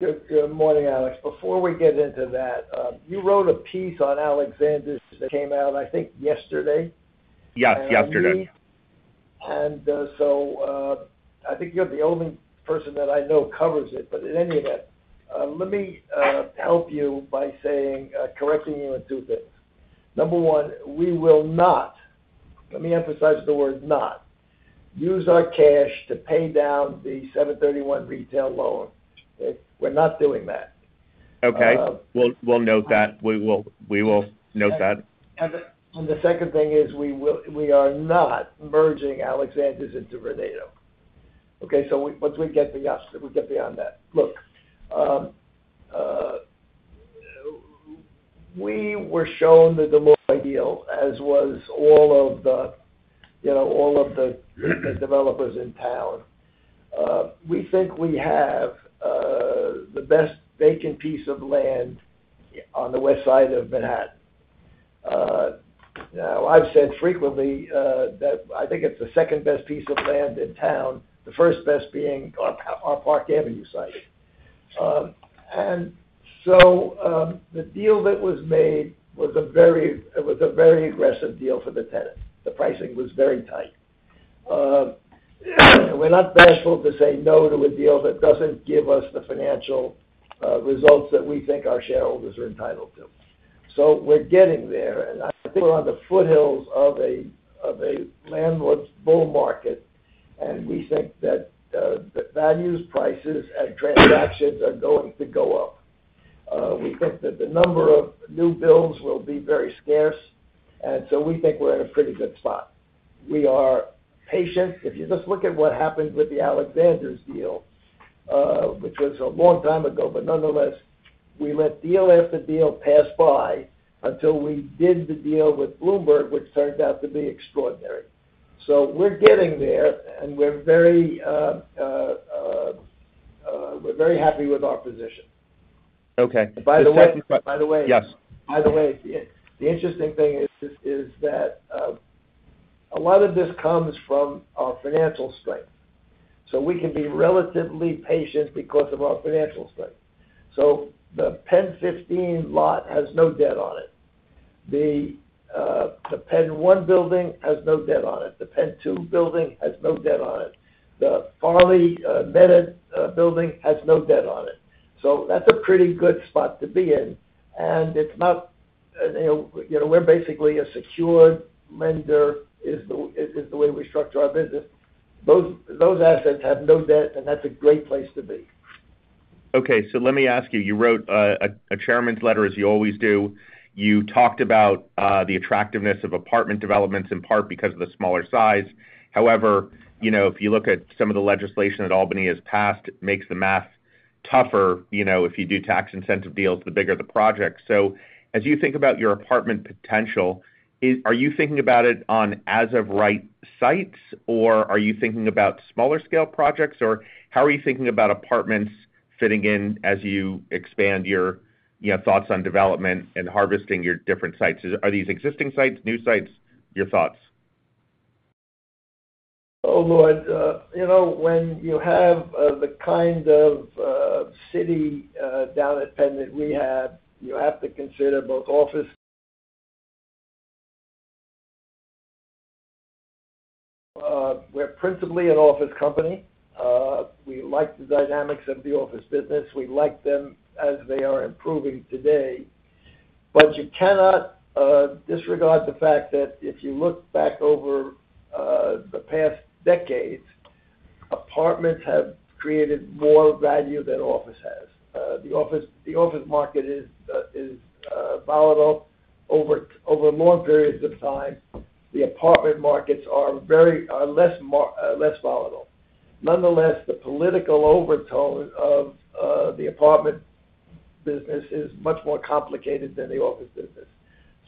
Good morning, Alex. Before we get into that, you wrote a piece on Alexander's that came out, I think, yesterday. Yes. Yesterday. I think you're the only person that I know covers it. In any event, let me help you by correcting you in two things. Number one, we will not—let me emphasize the word not—use our cash to pay down the $731 million retail loan. We're not doing that. Okay. We'll note that. We will note that. The second thing is we are not merging Alexander's into Vornado. Okay? Once we get beyond that, look, we were shown the Deloitte deal as were all of the developers in town. We think we have the best vacant piece of land on the west side of Manhattan. Now, I've said frequently that I think it's the second best piece of land in town, the first best being our Park Avenue site. The deal that was made was a very aggressive deal for the tenant. The pricing was very tight. We're not bashful to say no to a deal that doesn't give us the financial results that we think our shareholders are entitled to. We're getting there. I think we're on the foothills of a landlord's bull market, and we think that values, prices, and transactions are going to go up. We think that the number of new builds will be very scarce, and so we think we're in a pretty good spot. We are patient. If you just look at what happened with the Alexander's deal, which was a long time ago, but nonetheless, we let deal after deal pass by until we did the deal with Bloomberg, which turned out to be extraordinary. So we're getting there, and we're very happy with our position. Okay. By the way. Yes. By the way, the interesting thing is that a lot of this comes from our financial strength. We can be relatively patient because of our financial strength. The PENN 15 lot has no debt on it. The PENN 1 building has no debt on it. The PENN 2 building has no debt on it. The Farley Meadow building has no debt on it. That's a pretty good spot to be in. It's not we're basically a secured lender is the way we structure our business. Those assets have no debt, and that's a great place to be. Okay. Let me ask you. You wrote a chairman's letter as you always do. You talked about the attractiveness of apartment developments in part because of the smaller size. However, if you look at some of the legislation that Albany has passed, it makes the math tougher if you do tax incentive deals, the bigger the project. As you think about your apartment potential, are you thinking about it on as-of-right sites, or are you thinking about smaller-scale projects, or how are you thinking about apartments fitting in as you expand your thoughts on development and harvesting your different sites? Are these existing sites, new sites, your thoughts? Oh, Lord. When you have the kind of city down at PENN that we have, you have to consider both office. We're principally an office company. We like the dynamics of the office business. We like them as they are improving today. You cannot disregard the fact that if you look back over the past decades, apartments have created more value than office has. The office market is volatile over long periods of time. The apartment markets are less volatile. Nonetheless, the political overtone of the apartment business is much more complicated than the office business.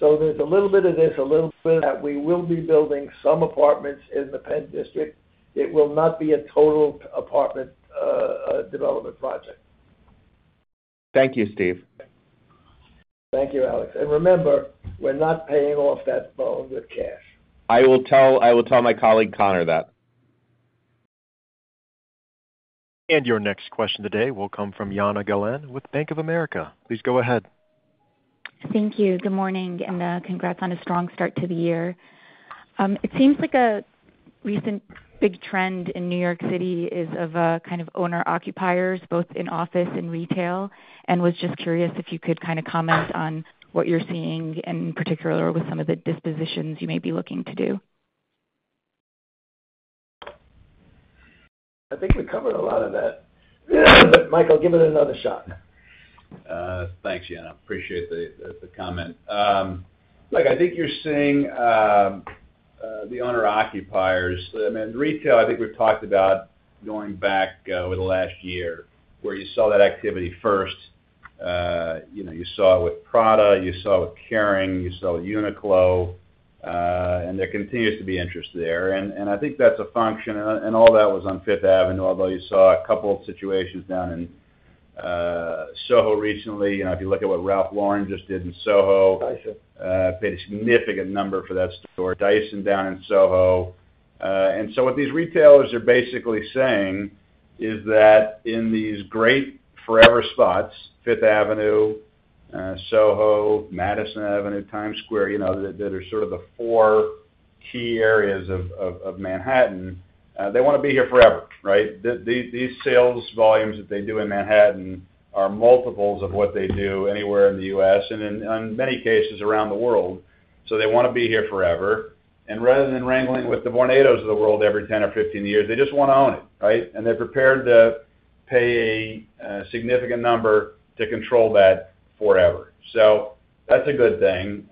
There's a little bit of this, a little bit of that. We will be building some apartments in the PENN District. It will not be a total apartment development project. Thank you, Steve. Thank you, Alex. Remember, we're not paying off that loan with cash. I will tell my colleague Connor that. Your next question today will come from Ianna Gallen with Bank of America. Please go ahead. Thank you. Good morning and congrats on a strong start to the year. It seems like a recent big trend in New York City is of kind of owner-occupiers, both in office and retail, and was just curious if you could kind of comment on what you're seeing in particular with some of the dispositions you may be looking to do. I think we covered a lot of that. Michael, give it another shot. Thanks, Ianna. Appreciate the comment. Look, I think you're seeing the owner-occupiers. I mean, retail, I think we've talked about going back over the last year where you saw that activity first. You saw it with Prada. You saw it with Kering. You saw it with Uniqlo. There continues to be interest there. I think that's a function. All that was on Fifth Avenue, although you saw a couple of situations down in Soho recently. If you look at what Ralph Lauren just did in Soho, paid a significant number for that store. Dyson down in Soho. What these retailers are basically saying is that in these great forever spots, Fifth Avenue, Soho, Madison Avenue, Times Square, that are sort of the four key areas of Manhattan, they want to be here forever, right? These sales volumes that they do in Manhattan are multiples of what they do anywhere in the U.S. and in many cases around the world. They want to be here forever. Rather than wrangling with the Alexander's of the world every 10 or 15 years, they just want to own it, right? They're prepared to pay a significant number to control that forever. That's a good thing.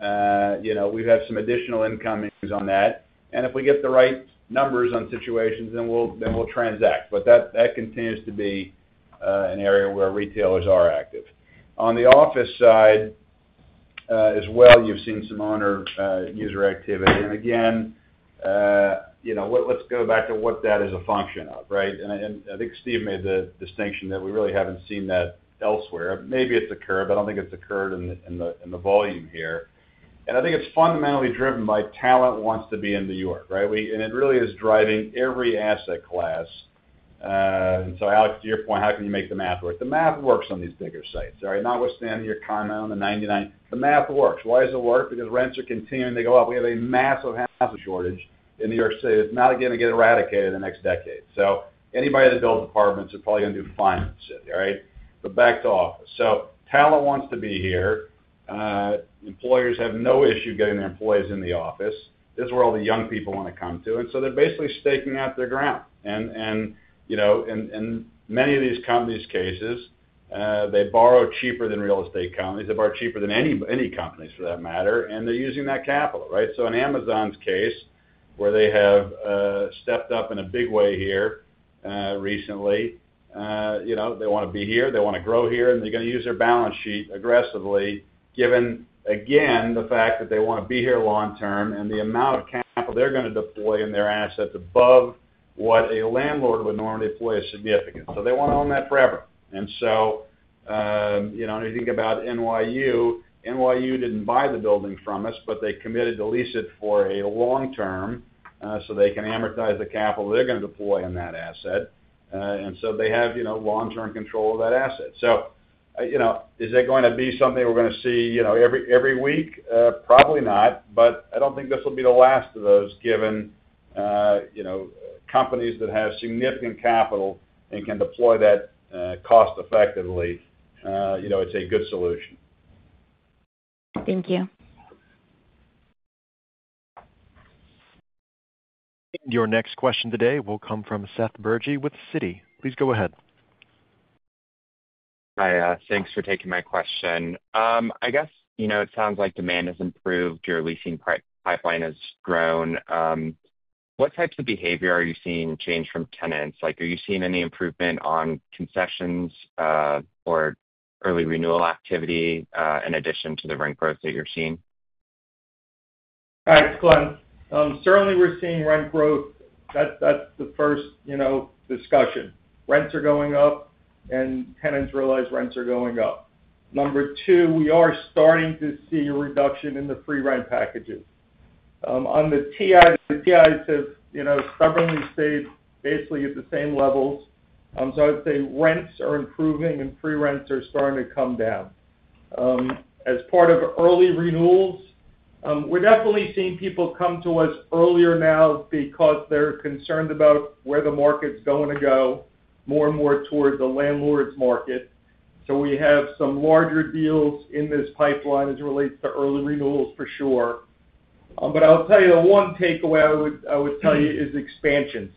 We have some additional incoming on that. If we get the right numbers on situations, then we'll transact. That continues to be an area where retailers are active. On the office side as well, you've seen some owner-user activity. Let's go back to what that is a function of, right? I think Steve made the distinction that we really haven't seen that elsewhere. Maybe it's occurred, but I don't think it's occurred in the volume here. I think it's fundamentally driven by talent wants to be in New York, right? It really is driving every asset class. Alex, to your point, how can you make the math work? The math works on these bigger sites, right? Notwithstanding your comment on the 99, the math works. Why does it work? Because rents are continuing to go up. We have a massive housing shortage in New York City. It's not going to get eradicated in the next decade. Anybody that builds apartments is probably going to do finances, right? Back to office. Talent wants to be here. Employers have no issue getting their employees in the office. This is where all the young people want to come to. They're basically staking out their ground. In many of these companies' cases, they borrow cheaper than real estate companies. They borrow cheaper than any companies for that matter. They're using that capital, right? In Amazon's case, where they have stepped up in a big way here recently, they want to be here. They want to grow here. They're going to use their balance sheet aggressively, given, again, the fact that they want to be here long term and the amount of capital they're going to deploy in their assets above what a landlord would normally deploy is significant. They want to own that forever. If you think about NYU, NYU didn't buy the building from us, but they committed to lease it for a long term so they can amortize the capital they're going to deploy in that asset. They have long-term control of that asset. Is it going to be something we're going to see every week? Probably not. I don't think this will be the last of those given companies that have significant capital and can deploy that cost-effectively. It's a good solution. Thank you. Your next question today will come from Seth Bergey with Citi. Please go ahead. Hi, thanks for taking my question. I guess it sounds like demand has improved. Your leasing pipeline has grown. What types of behavior are you seeing change from tenants? Are you seeing any improvement on concessions or early renewal activity in addition to the rent growth that you're seeing? Hi, it's Glen. Certainly, we're seeing rent growth. That's the first discussion. Rents are going up, and tenants realize rents are going up. Number two, we are starting to see a reduction in the free rent packages. On the TIs, the TIs have stubbornly stayed basically at the same levels. I would say rents are improving and free rents are starting to come down. As part of early renewals, we're definitely seeing people come to us earlier now because they're concerned about where the market's going to go, more and more toward the landlord's market. We have some larger deals in this pipeline as it relates to early renewals, for sure. I'll tell you the one takeaway I would tell you is expansions.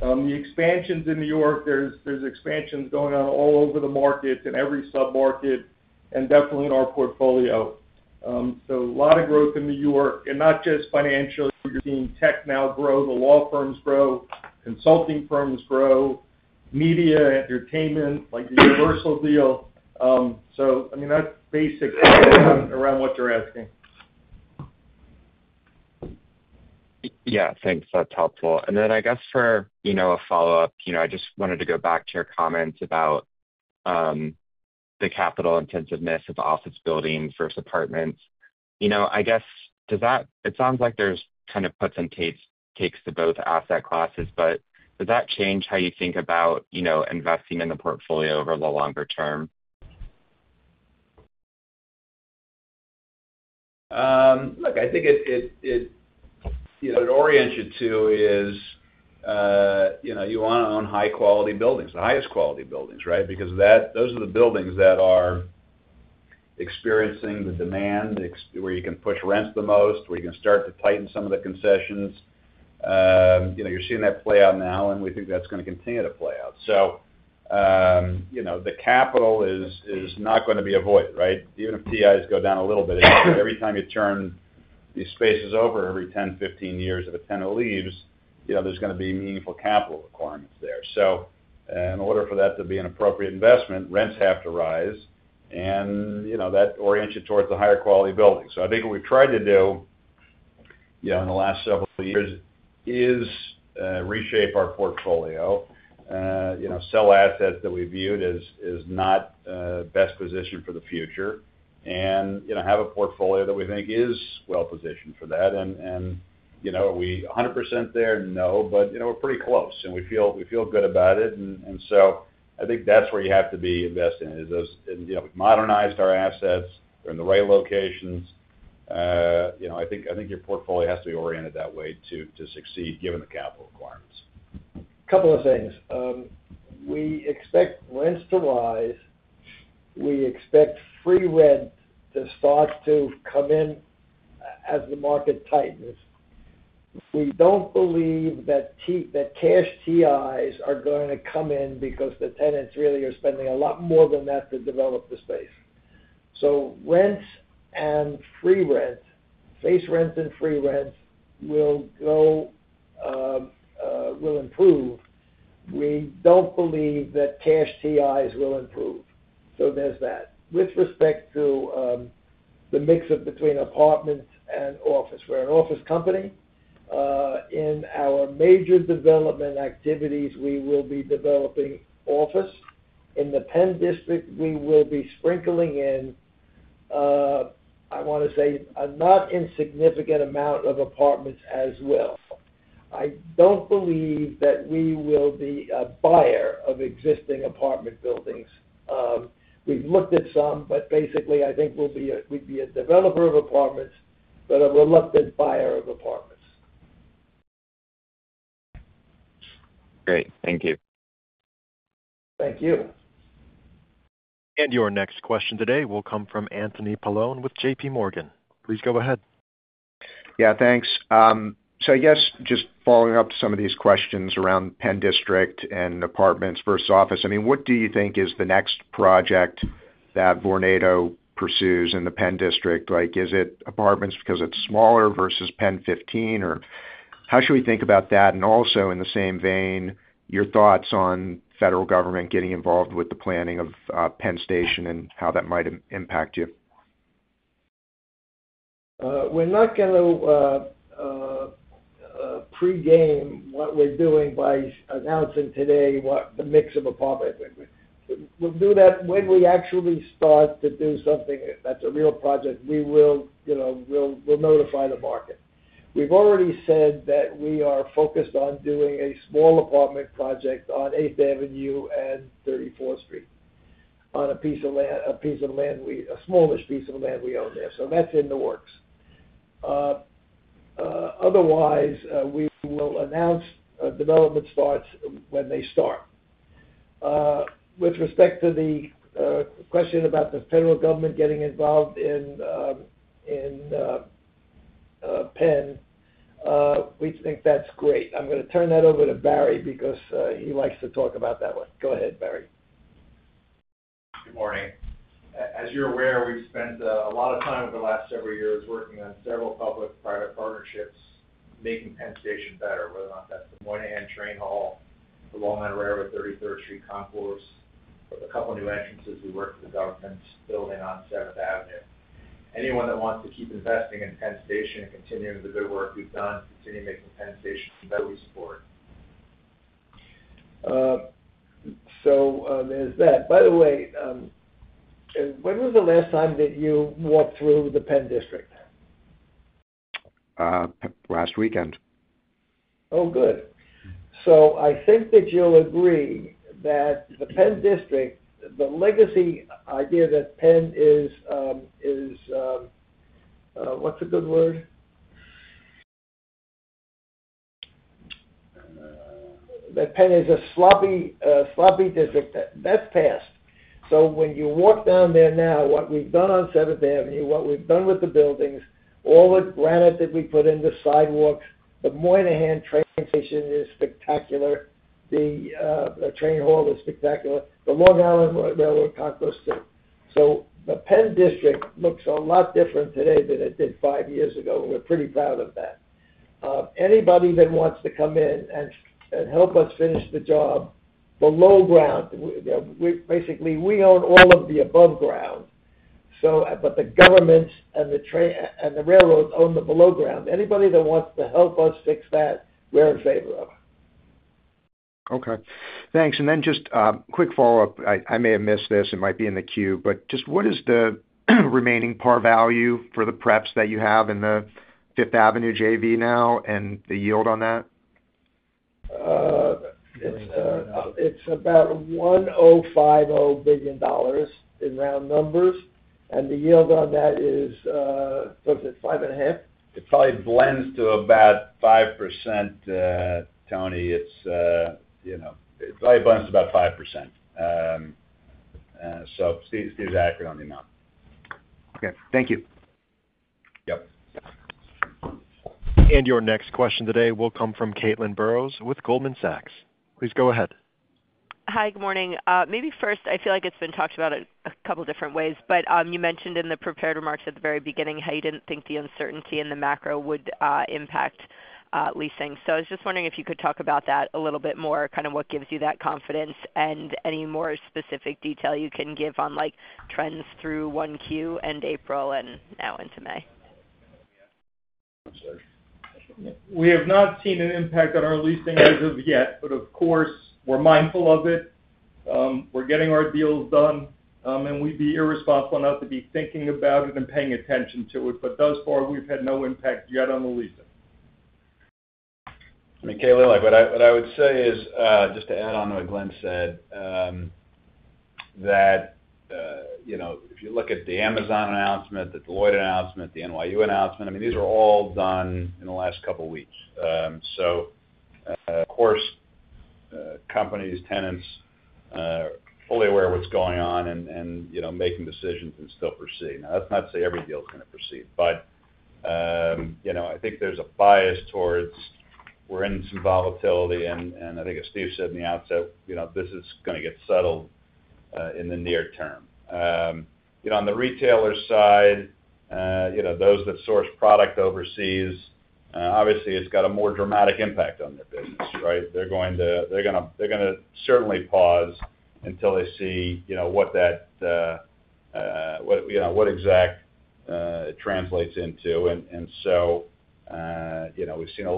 The expansions in New York, there's expansions going on all over the markets and every sub-market and definitely in our portfolio. A lot of growth in New York, and not just financial. You're seeing tech now grow, the law firms grow, consulting firms grow, media, entertainment, like the Universal deal. I mean, that's basic around what you're asking. Yeah. Thanks. That's helpful. I guess for a follow-up, I just wanted to go back to your comments about the capital intensiveness of office buildings versus apartments. I guess it sounds like there's kind of puts and takes to both asset classes, but does that change how you think about investing in the portfolio over the longer term? Look, I think it orients you to is you want to own high-quality buildings, the highest quality buildings, right? Because those are the buildings that are experiencing the demand, where you can push rents the most, where you can start to tighten some of the concessions. You're seeing that play out now, and we think that's going to continue to play out. The capital is not going to be avoided, right? Even if TIs go down a little bit, every time you turn these spaces over every 10-15 years that a tenant leaves, there's going to be meaningful capital requirements there. In order for that to be an appropriate investment, rents have to rise, and that orients you towards the higher quality buildings. I think what we've tried to do in the last several years is reshape our portfolio, sell assets that we viewed as not best positioned for the future, and have a portfolio that we think is well positioned for that. Are we 100% there? No, but we're pretty close, and we feel good about it. I think that's where you have to be investing in, is we've modernized our assets. They're in the right locations. I think your portfolio has to be oriented that way to succeed given the capital requirements. A couple of things. We expect rents to rise. We expect free rent to start to come in as the market tightens. We don't believe that cash TIs are going to come in because the tenants really are spending a lot more than that to develop the space. Rents and free rent, face rents and free rents will improve. We do not believe that cash TIs will improve. There is that. With respect to the mix between apartments and office, we are an office company. In our major development activities, we will be developing office. In the PENN District, we will be sprinkling in, I want to say, a not insignificant amount of apartments as well. I do not believe that we will be a buyer of existing apartment buildings. We have looked at some, but basically, I think we would be a developer of apartments, but a reluctant buyer of apartments. Great. Thank you. Thank you. Your next question today will come from Anthony Paolone with J.P. Morgan. Please go ahead. Yeah. Thanks. I guess just following up to some of these questions around PENN District and apartments versus office, I mean, what do you think is the next project that Vornado pursues in the PENN District? Is it apartments because it is smaller versus PENN 15? How should we think about that? Also, in the same vein, your thoughts on federal government getting involved with the planning of PENN Station and how that might impact you? We're not going to pregame what we're doing by announcing today what the mix of apartments is. We'll do that when we actually start to do something that's a real project. We will notify the market. We've already said that we are focused on doing a small apartment project on 8th Avenue and 34th Street on a piece of land, a smallish piece of land we own there. That is in the works. Otherwise, we will announce development starts when they start. With respect to the question about the federal government getting involved in PENN, we think that's great. I'm going to turn that over to Barry because he likes to talk about that one. Go ahead, Barry. Good morning. As you're aware, we've spent a lot of time over the last several years working on several public-private partnerships making PENN Station better, whether or not that's the Moynihan Train Hall, the Long Island Railroad, 33rd Street Concourse, or the couple of new entrances we worked with the government building on 7th Avenue. Anyone that wants to keep investing in PENN Station and continuing the good work we've done, continue making PENN Station better, we support. There's that. By the way, when was the last time that you walked through the PENN District? Last weekend. Oh, good. I think that you'll agree that the PENN District, the legacy idea that PENN is—what's a good word?—that PENN is a sloppy district. That's past. When you walk down there now, what we've done on 7th Avenue, what we've done with the buildings, all the granite that we put in the sidewalks, the Moynihan Train Station is spectacular. The train hall is spectacular. The Long Island Railroad Concourse too. The PENN District looks a lot different today than it did five years ago, and we're pretty proud of that. Anybody that wants to come in and help us finish the job, below ground, basically, we own all of the above ground. The government and the railroads own the below ground. Anybody that wants to help us fix that, we're in favor of. Okay. Thanks. Just a quick follow-up. I may have missed this. It might be in the queue. Just what is the remaining par value for the preps that you have in the Fifth Avenue JV now and the yield on that? It's about $105 billion in round numbers. The yield on that is—what is it? 5.5%? It probably blends to about 5%, Tony. It probably blends to about 5%. Steve's accurate on the amount. Okay. Thank you. Yep. Your next question today will come from Caitlin Burrows with Goldman Sachs. Please go ahead. Hi. Good morning. Maybe first, I feel like it's been talked about a couple of different ways, but you mentioned in the prepared remarks at the very beginning how you didn't think the uncertainty in the macro would impact leasing. I was just wondering if you could talk about that a little bit more, kind of what gives you that confidence and any more specific detail you can give on trends through one Q and April and now into May. We have not seen an impact on our leasing as of yet, but of course, we're mindful of it. We're getting our deals done, and we'd be irresponsible not to be thinking about it and paying attention to it. Thus far, we've had no impact yet on the leasing. Caitlin, what I would say is just to add on to what Glen said, that if you look at the Amazon announcement, the Deloitte announcement, the NYU announcement, I mean, these are all done in the last couple of weeks. Of course, companies, tenants, fully aware of what's going on and making decisions and still proceed. Now, that's not to say every deal is going to proceed. I think there's a bias towards we're in some volatility. I think as Steve said in the outset, this is going to get settled in the near term. On the retailer side, those that source product overseas, obviously, it's got a more dramatic impact on their business, right? They're going to certainly pause until they see what that—what exact it translates into. We have seen a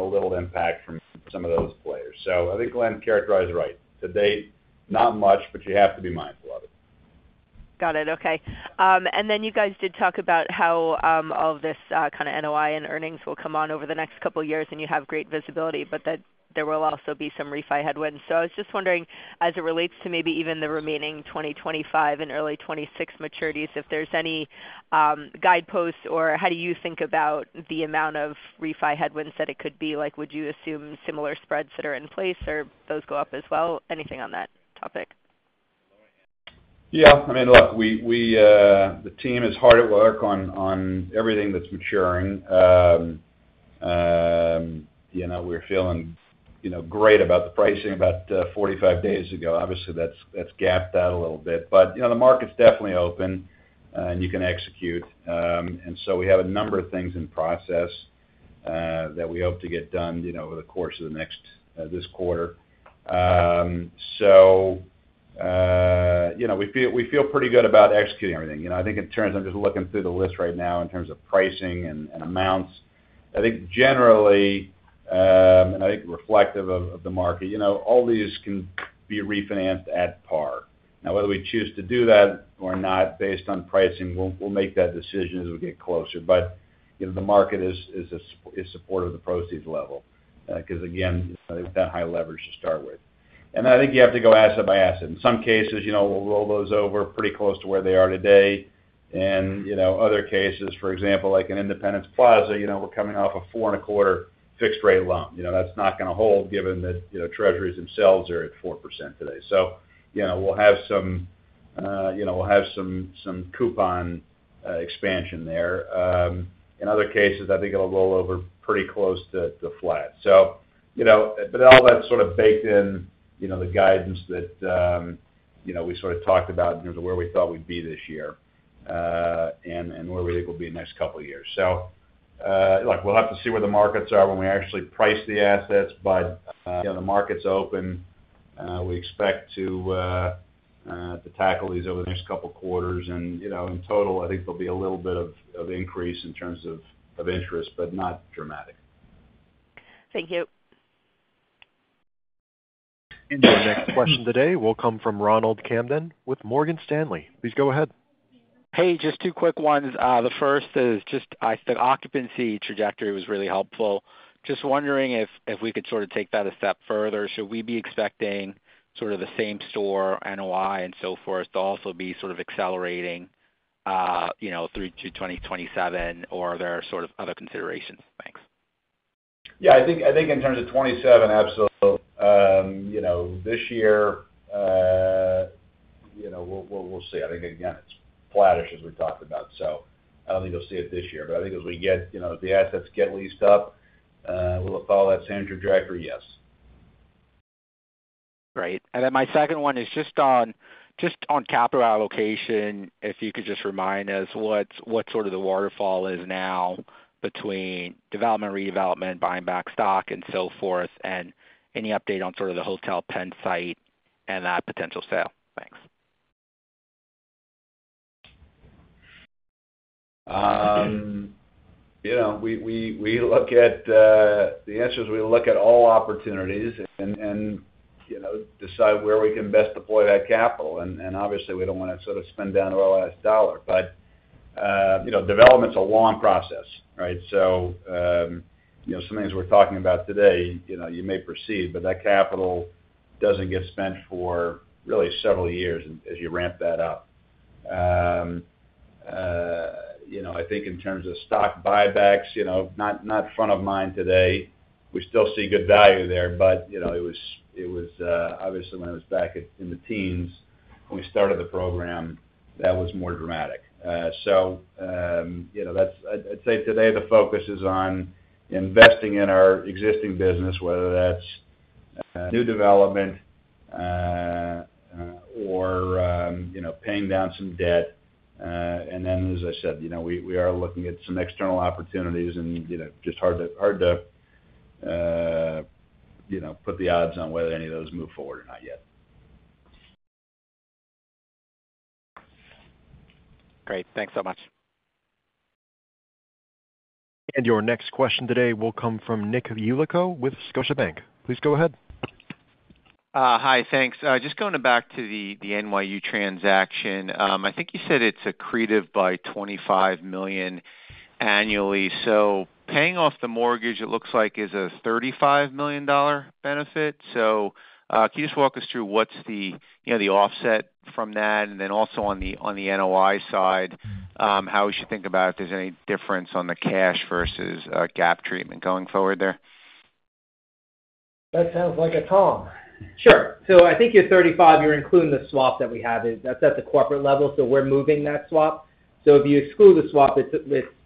little impact from some of those players. I think Glen characterized it right. To date, not much, but you have to be mindful of it. Got it. Okay. You guys did talk about how all of this kind of NOI and earnings will come on over the next couple of years, and you have great visibility, but there will also be some refi headwinds. I was just wondering, as it relates to maybe even the remaining 2025 and early 2026 maturities, if there are any guideposts or how you think about the amount of refi headwinds that it could be. Would you assume similar spreads that are in place, or those go up as well? Anything on that topic? Yeah. I mean, look, the team is hard at work on everything that's maturing. We were feeling great about the pricing about 45 days ago. Obviously, that's gapped out a little bit. The market's definitely open, and you can execute. We have a number of things in process that we hope to get done over the course of this quarter. We feel pretty good about executing everything. I think in terms—I'm just looking through the list right now in terms of pricing and amounts. I think generally, and I think reflective of the market, all these can be refinanced at par. Now, whether we choose to do that or not based on pricing, we'll make that decision as we get closer. The market is supportive of the proceeds level because, again, they've got high leverage to start with. I think you have to go asset by asset. In some cases, we'll roll those over pretty close to where they are today. In other cases, for example, like an Independence Plaza, we're coming off a 4.25% fixed rate loan. That's not going to hold given that Treasuries themselves are at 4% today. We'll have some coupon expansion there. In other cases, I think it'll roll over pretty close to flat. All that's sort of baked in the guidance that we sort of talked about in terms of where we thought we'd be this year and where we think we'll be in the next couple of years. Look, we'll have to see where the markets are when we actually price the assets. The market's open. We expect to tackle these over the next couple of quarters. In total, I think there'll be a little bit of increase in terms of interest, but not dramatic. Thank you. Your next question today will come from Ronald Kamdem with Morgan Stanley. Please go ahead. Hey, just two quick ones. The first is just the occupancy trajectory was really helpful. Just wondering if we could sort of take that a step further. Should we be expecting sort of the same store NOI and so forth to also be sort of accelerating through to 2027, or are there sort of other considerations? Thanks. Yeah. I think in terms of 2027, absolutely. This year, we'll see. I think, again, it's flattish as we talked about. I don't think you'll see it this year. I think as we get—as the assets get leased up, will it follow that same trajectory? Yes. Great. My second one is just on capital allocation, if you could just remind us what sort of the waterfall is now between development, redevelopment, buying back stock, and so forth, and any update on sort of the Hotel PENN site and that potential sale. Thanks. We look at the answer is we look at all opportunities and decide where we can best deploy that capital. Obviously, we do not want to sort of spend down to our last dollar. Development is a long process, right? Some things we are talking about today, you may perceive, but that capital does not get spent for really several years as you ramp that up. I think in terms of stock buybacks, not front of mind today. We still see good value there, but it was obviously when it was back in the teens when we started the program, that was more dramatic. I would say today the focus is on investing in our existing business, whether that is new development or paying down some debt. As I said, we are looking at some external opportunities and just hard to put the odds on whether any of those move forward or not yet. Great. Thanks so much. Your next question today will come from Nick Yulico with Scotiabank. Please go ahead. Hi. Thanks. Just going back to the NYU transaction, I think you said it's accretive by $25 million annually. Paying off the mortgage, it looks like, is a $35 million benefit. Can you just walk us through what's the offset from that? Also, on the NOI side, how we should think about if there's any difference on the cash versus GAAP treatment going forward there? That sounds like a ton. Sure. I think your 35, you're including the swap that we have. That's at the corporate level. We're moving that swap. If you exclude the swap,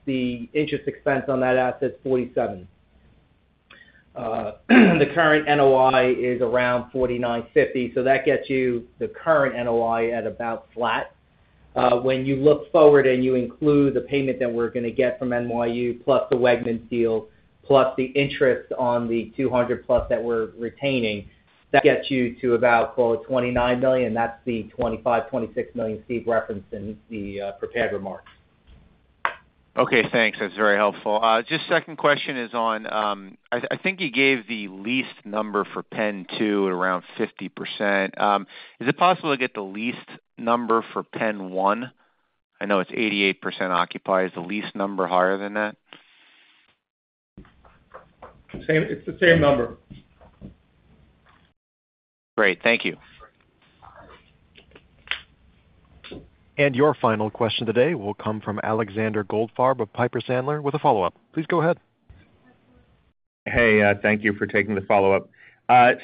the interest expense on that asset is 47. The current NOI is around 49.50. That gets you the current NOI at about flat. When you look forward and you include the payment that we're going to get from NYU plus the Wegmans deal plus the interest on the 200-plus that we're retaining, that gets you to about, quote, $29 million. That's the $25-$26 million Steve referenced in the prepared remarks. Okay. Thanks. That's very helpful. Just second question is on I think you gave the lease number for PENN 2 at around 50%. Is it possible to get the lease number for PENN 1? I know it's 88% occupied. Is the lease number higher than that? It's the same number. Great. Thank you. Your final question today will come from Alexander Goldfarb of Piper Sandler with a follow-up. Please go ahead. Hey, thank you for taking the follow-up.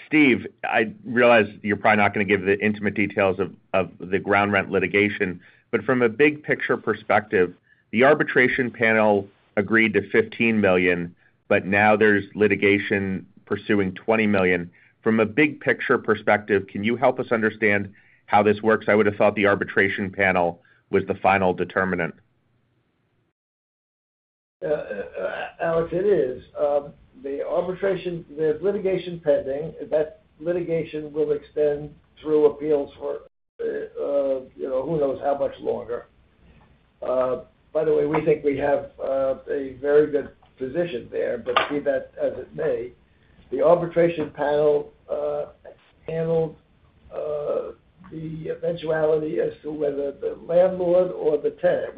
Steve, I realize you're probably not going to give the intimate details of the ground rent litigation. From a big-picture perspective, the arbitration panel agreed to $15 million, but now there's litigation pursuing $20 million. From a big-picture perspective, can you help us understand how this works? I would have thought the arbitration panel was the final determinant. Alex, it is. The arbitration, there's litigation pending. That litigation will extend through appeals for who knows how much longer. By the way, we think we have a very good position there, but be that as it may, the arbitration panel handled the eventuality as to whether the landlord or the tenant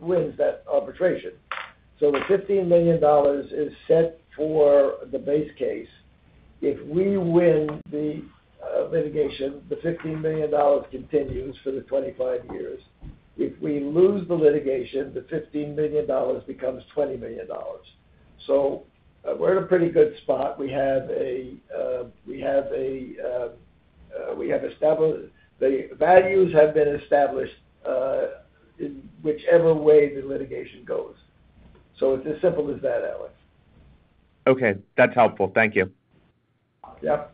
wins that arbitration. So the $15 million is set for the base case. If we win the litigation, the $15 million continues for the 25 years. If we lose the litigation, the $15 million becomes $20 million. We're in a pretty good spot. We have established the values have been established in whichever way the litigation goes. It's as simple as that, Alex. Okay. That's helpful. Thank you. Yep.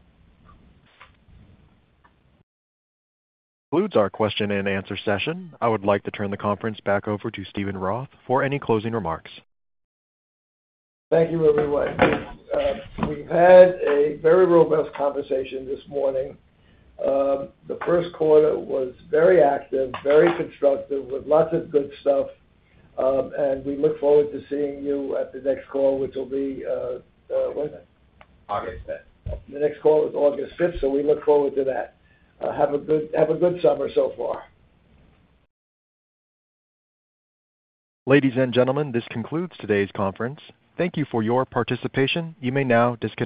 Concludes our question and answer session. I would like to turn the conference back over to Steven Roth for any closing remarks. Thank you, everyone. We've had a very robust conversation this morning. The first quarter was very active, very constructive, with lots of good stuff. We look forward to seeing you at the next call, which will be when? August 5th. The next call is August 5th. We look forward to that. Have a good summer so far. Ladies and gentlemen, this concludes today's conference. Thank you for your participation. You may now disconnect.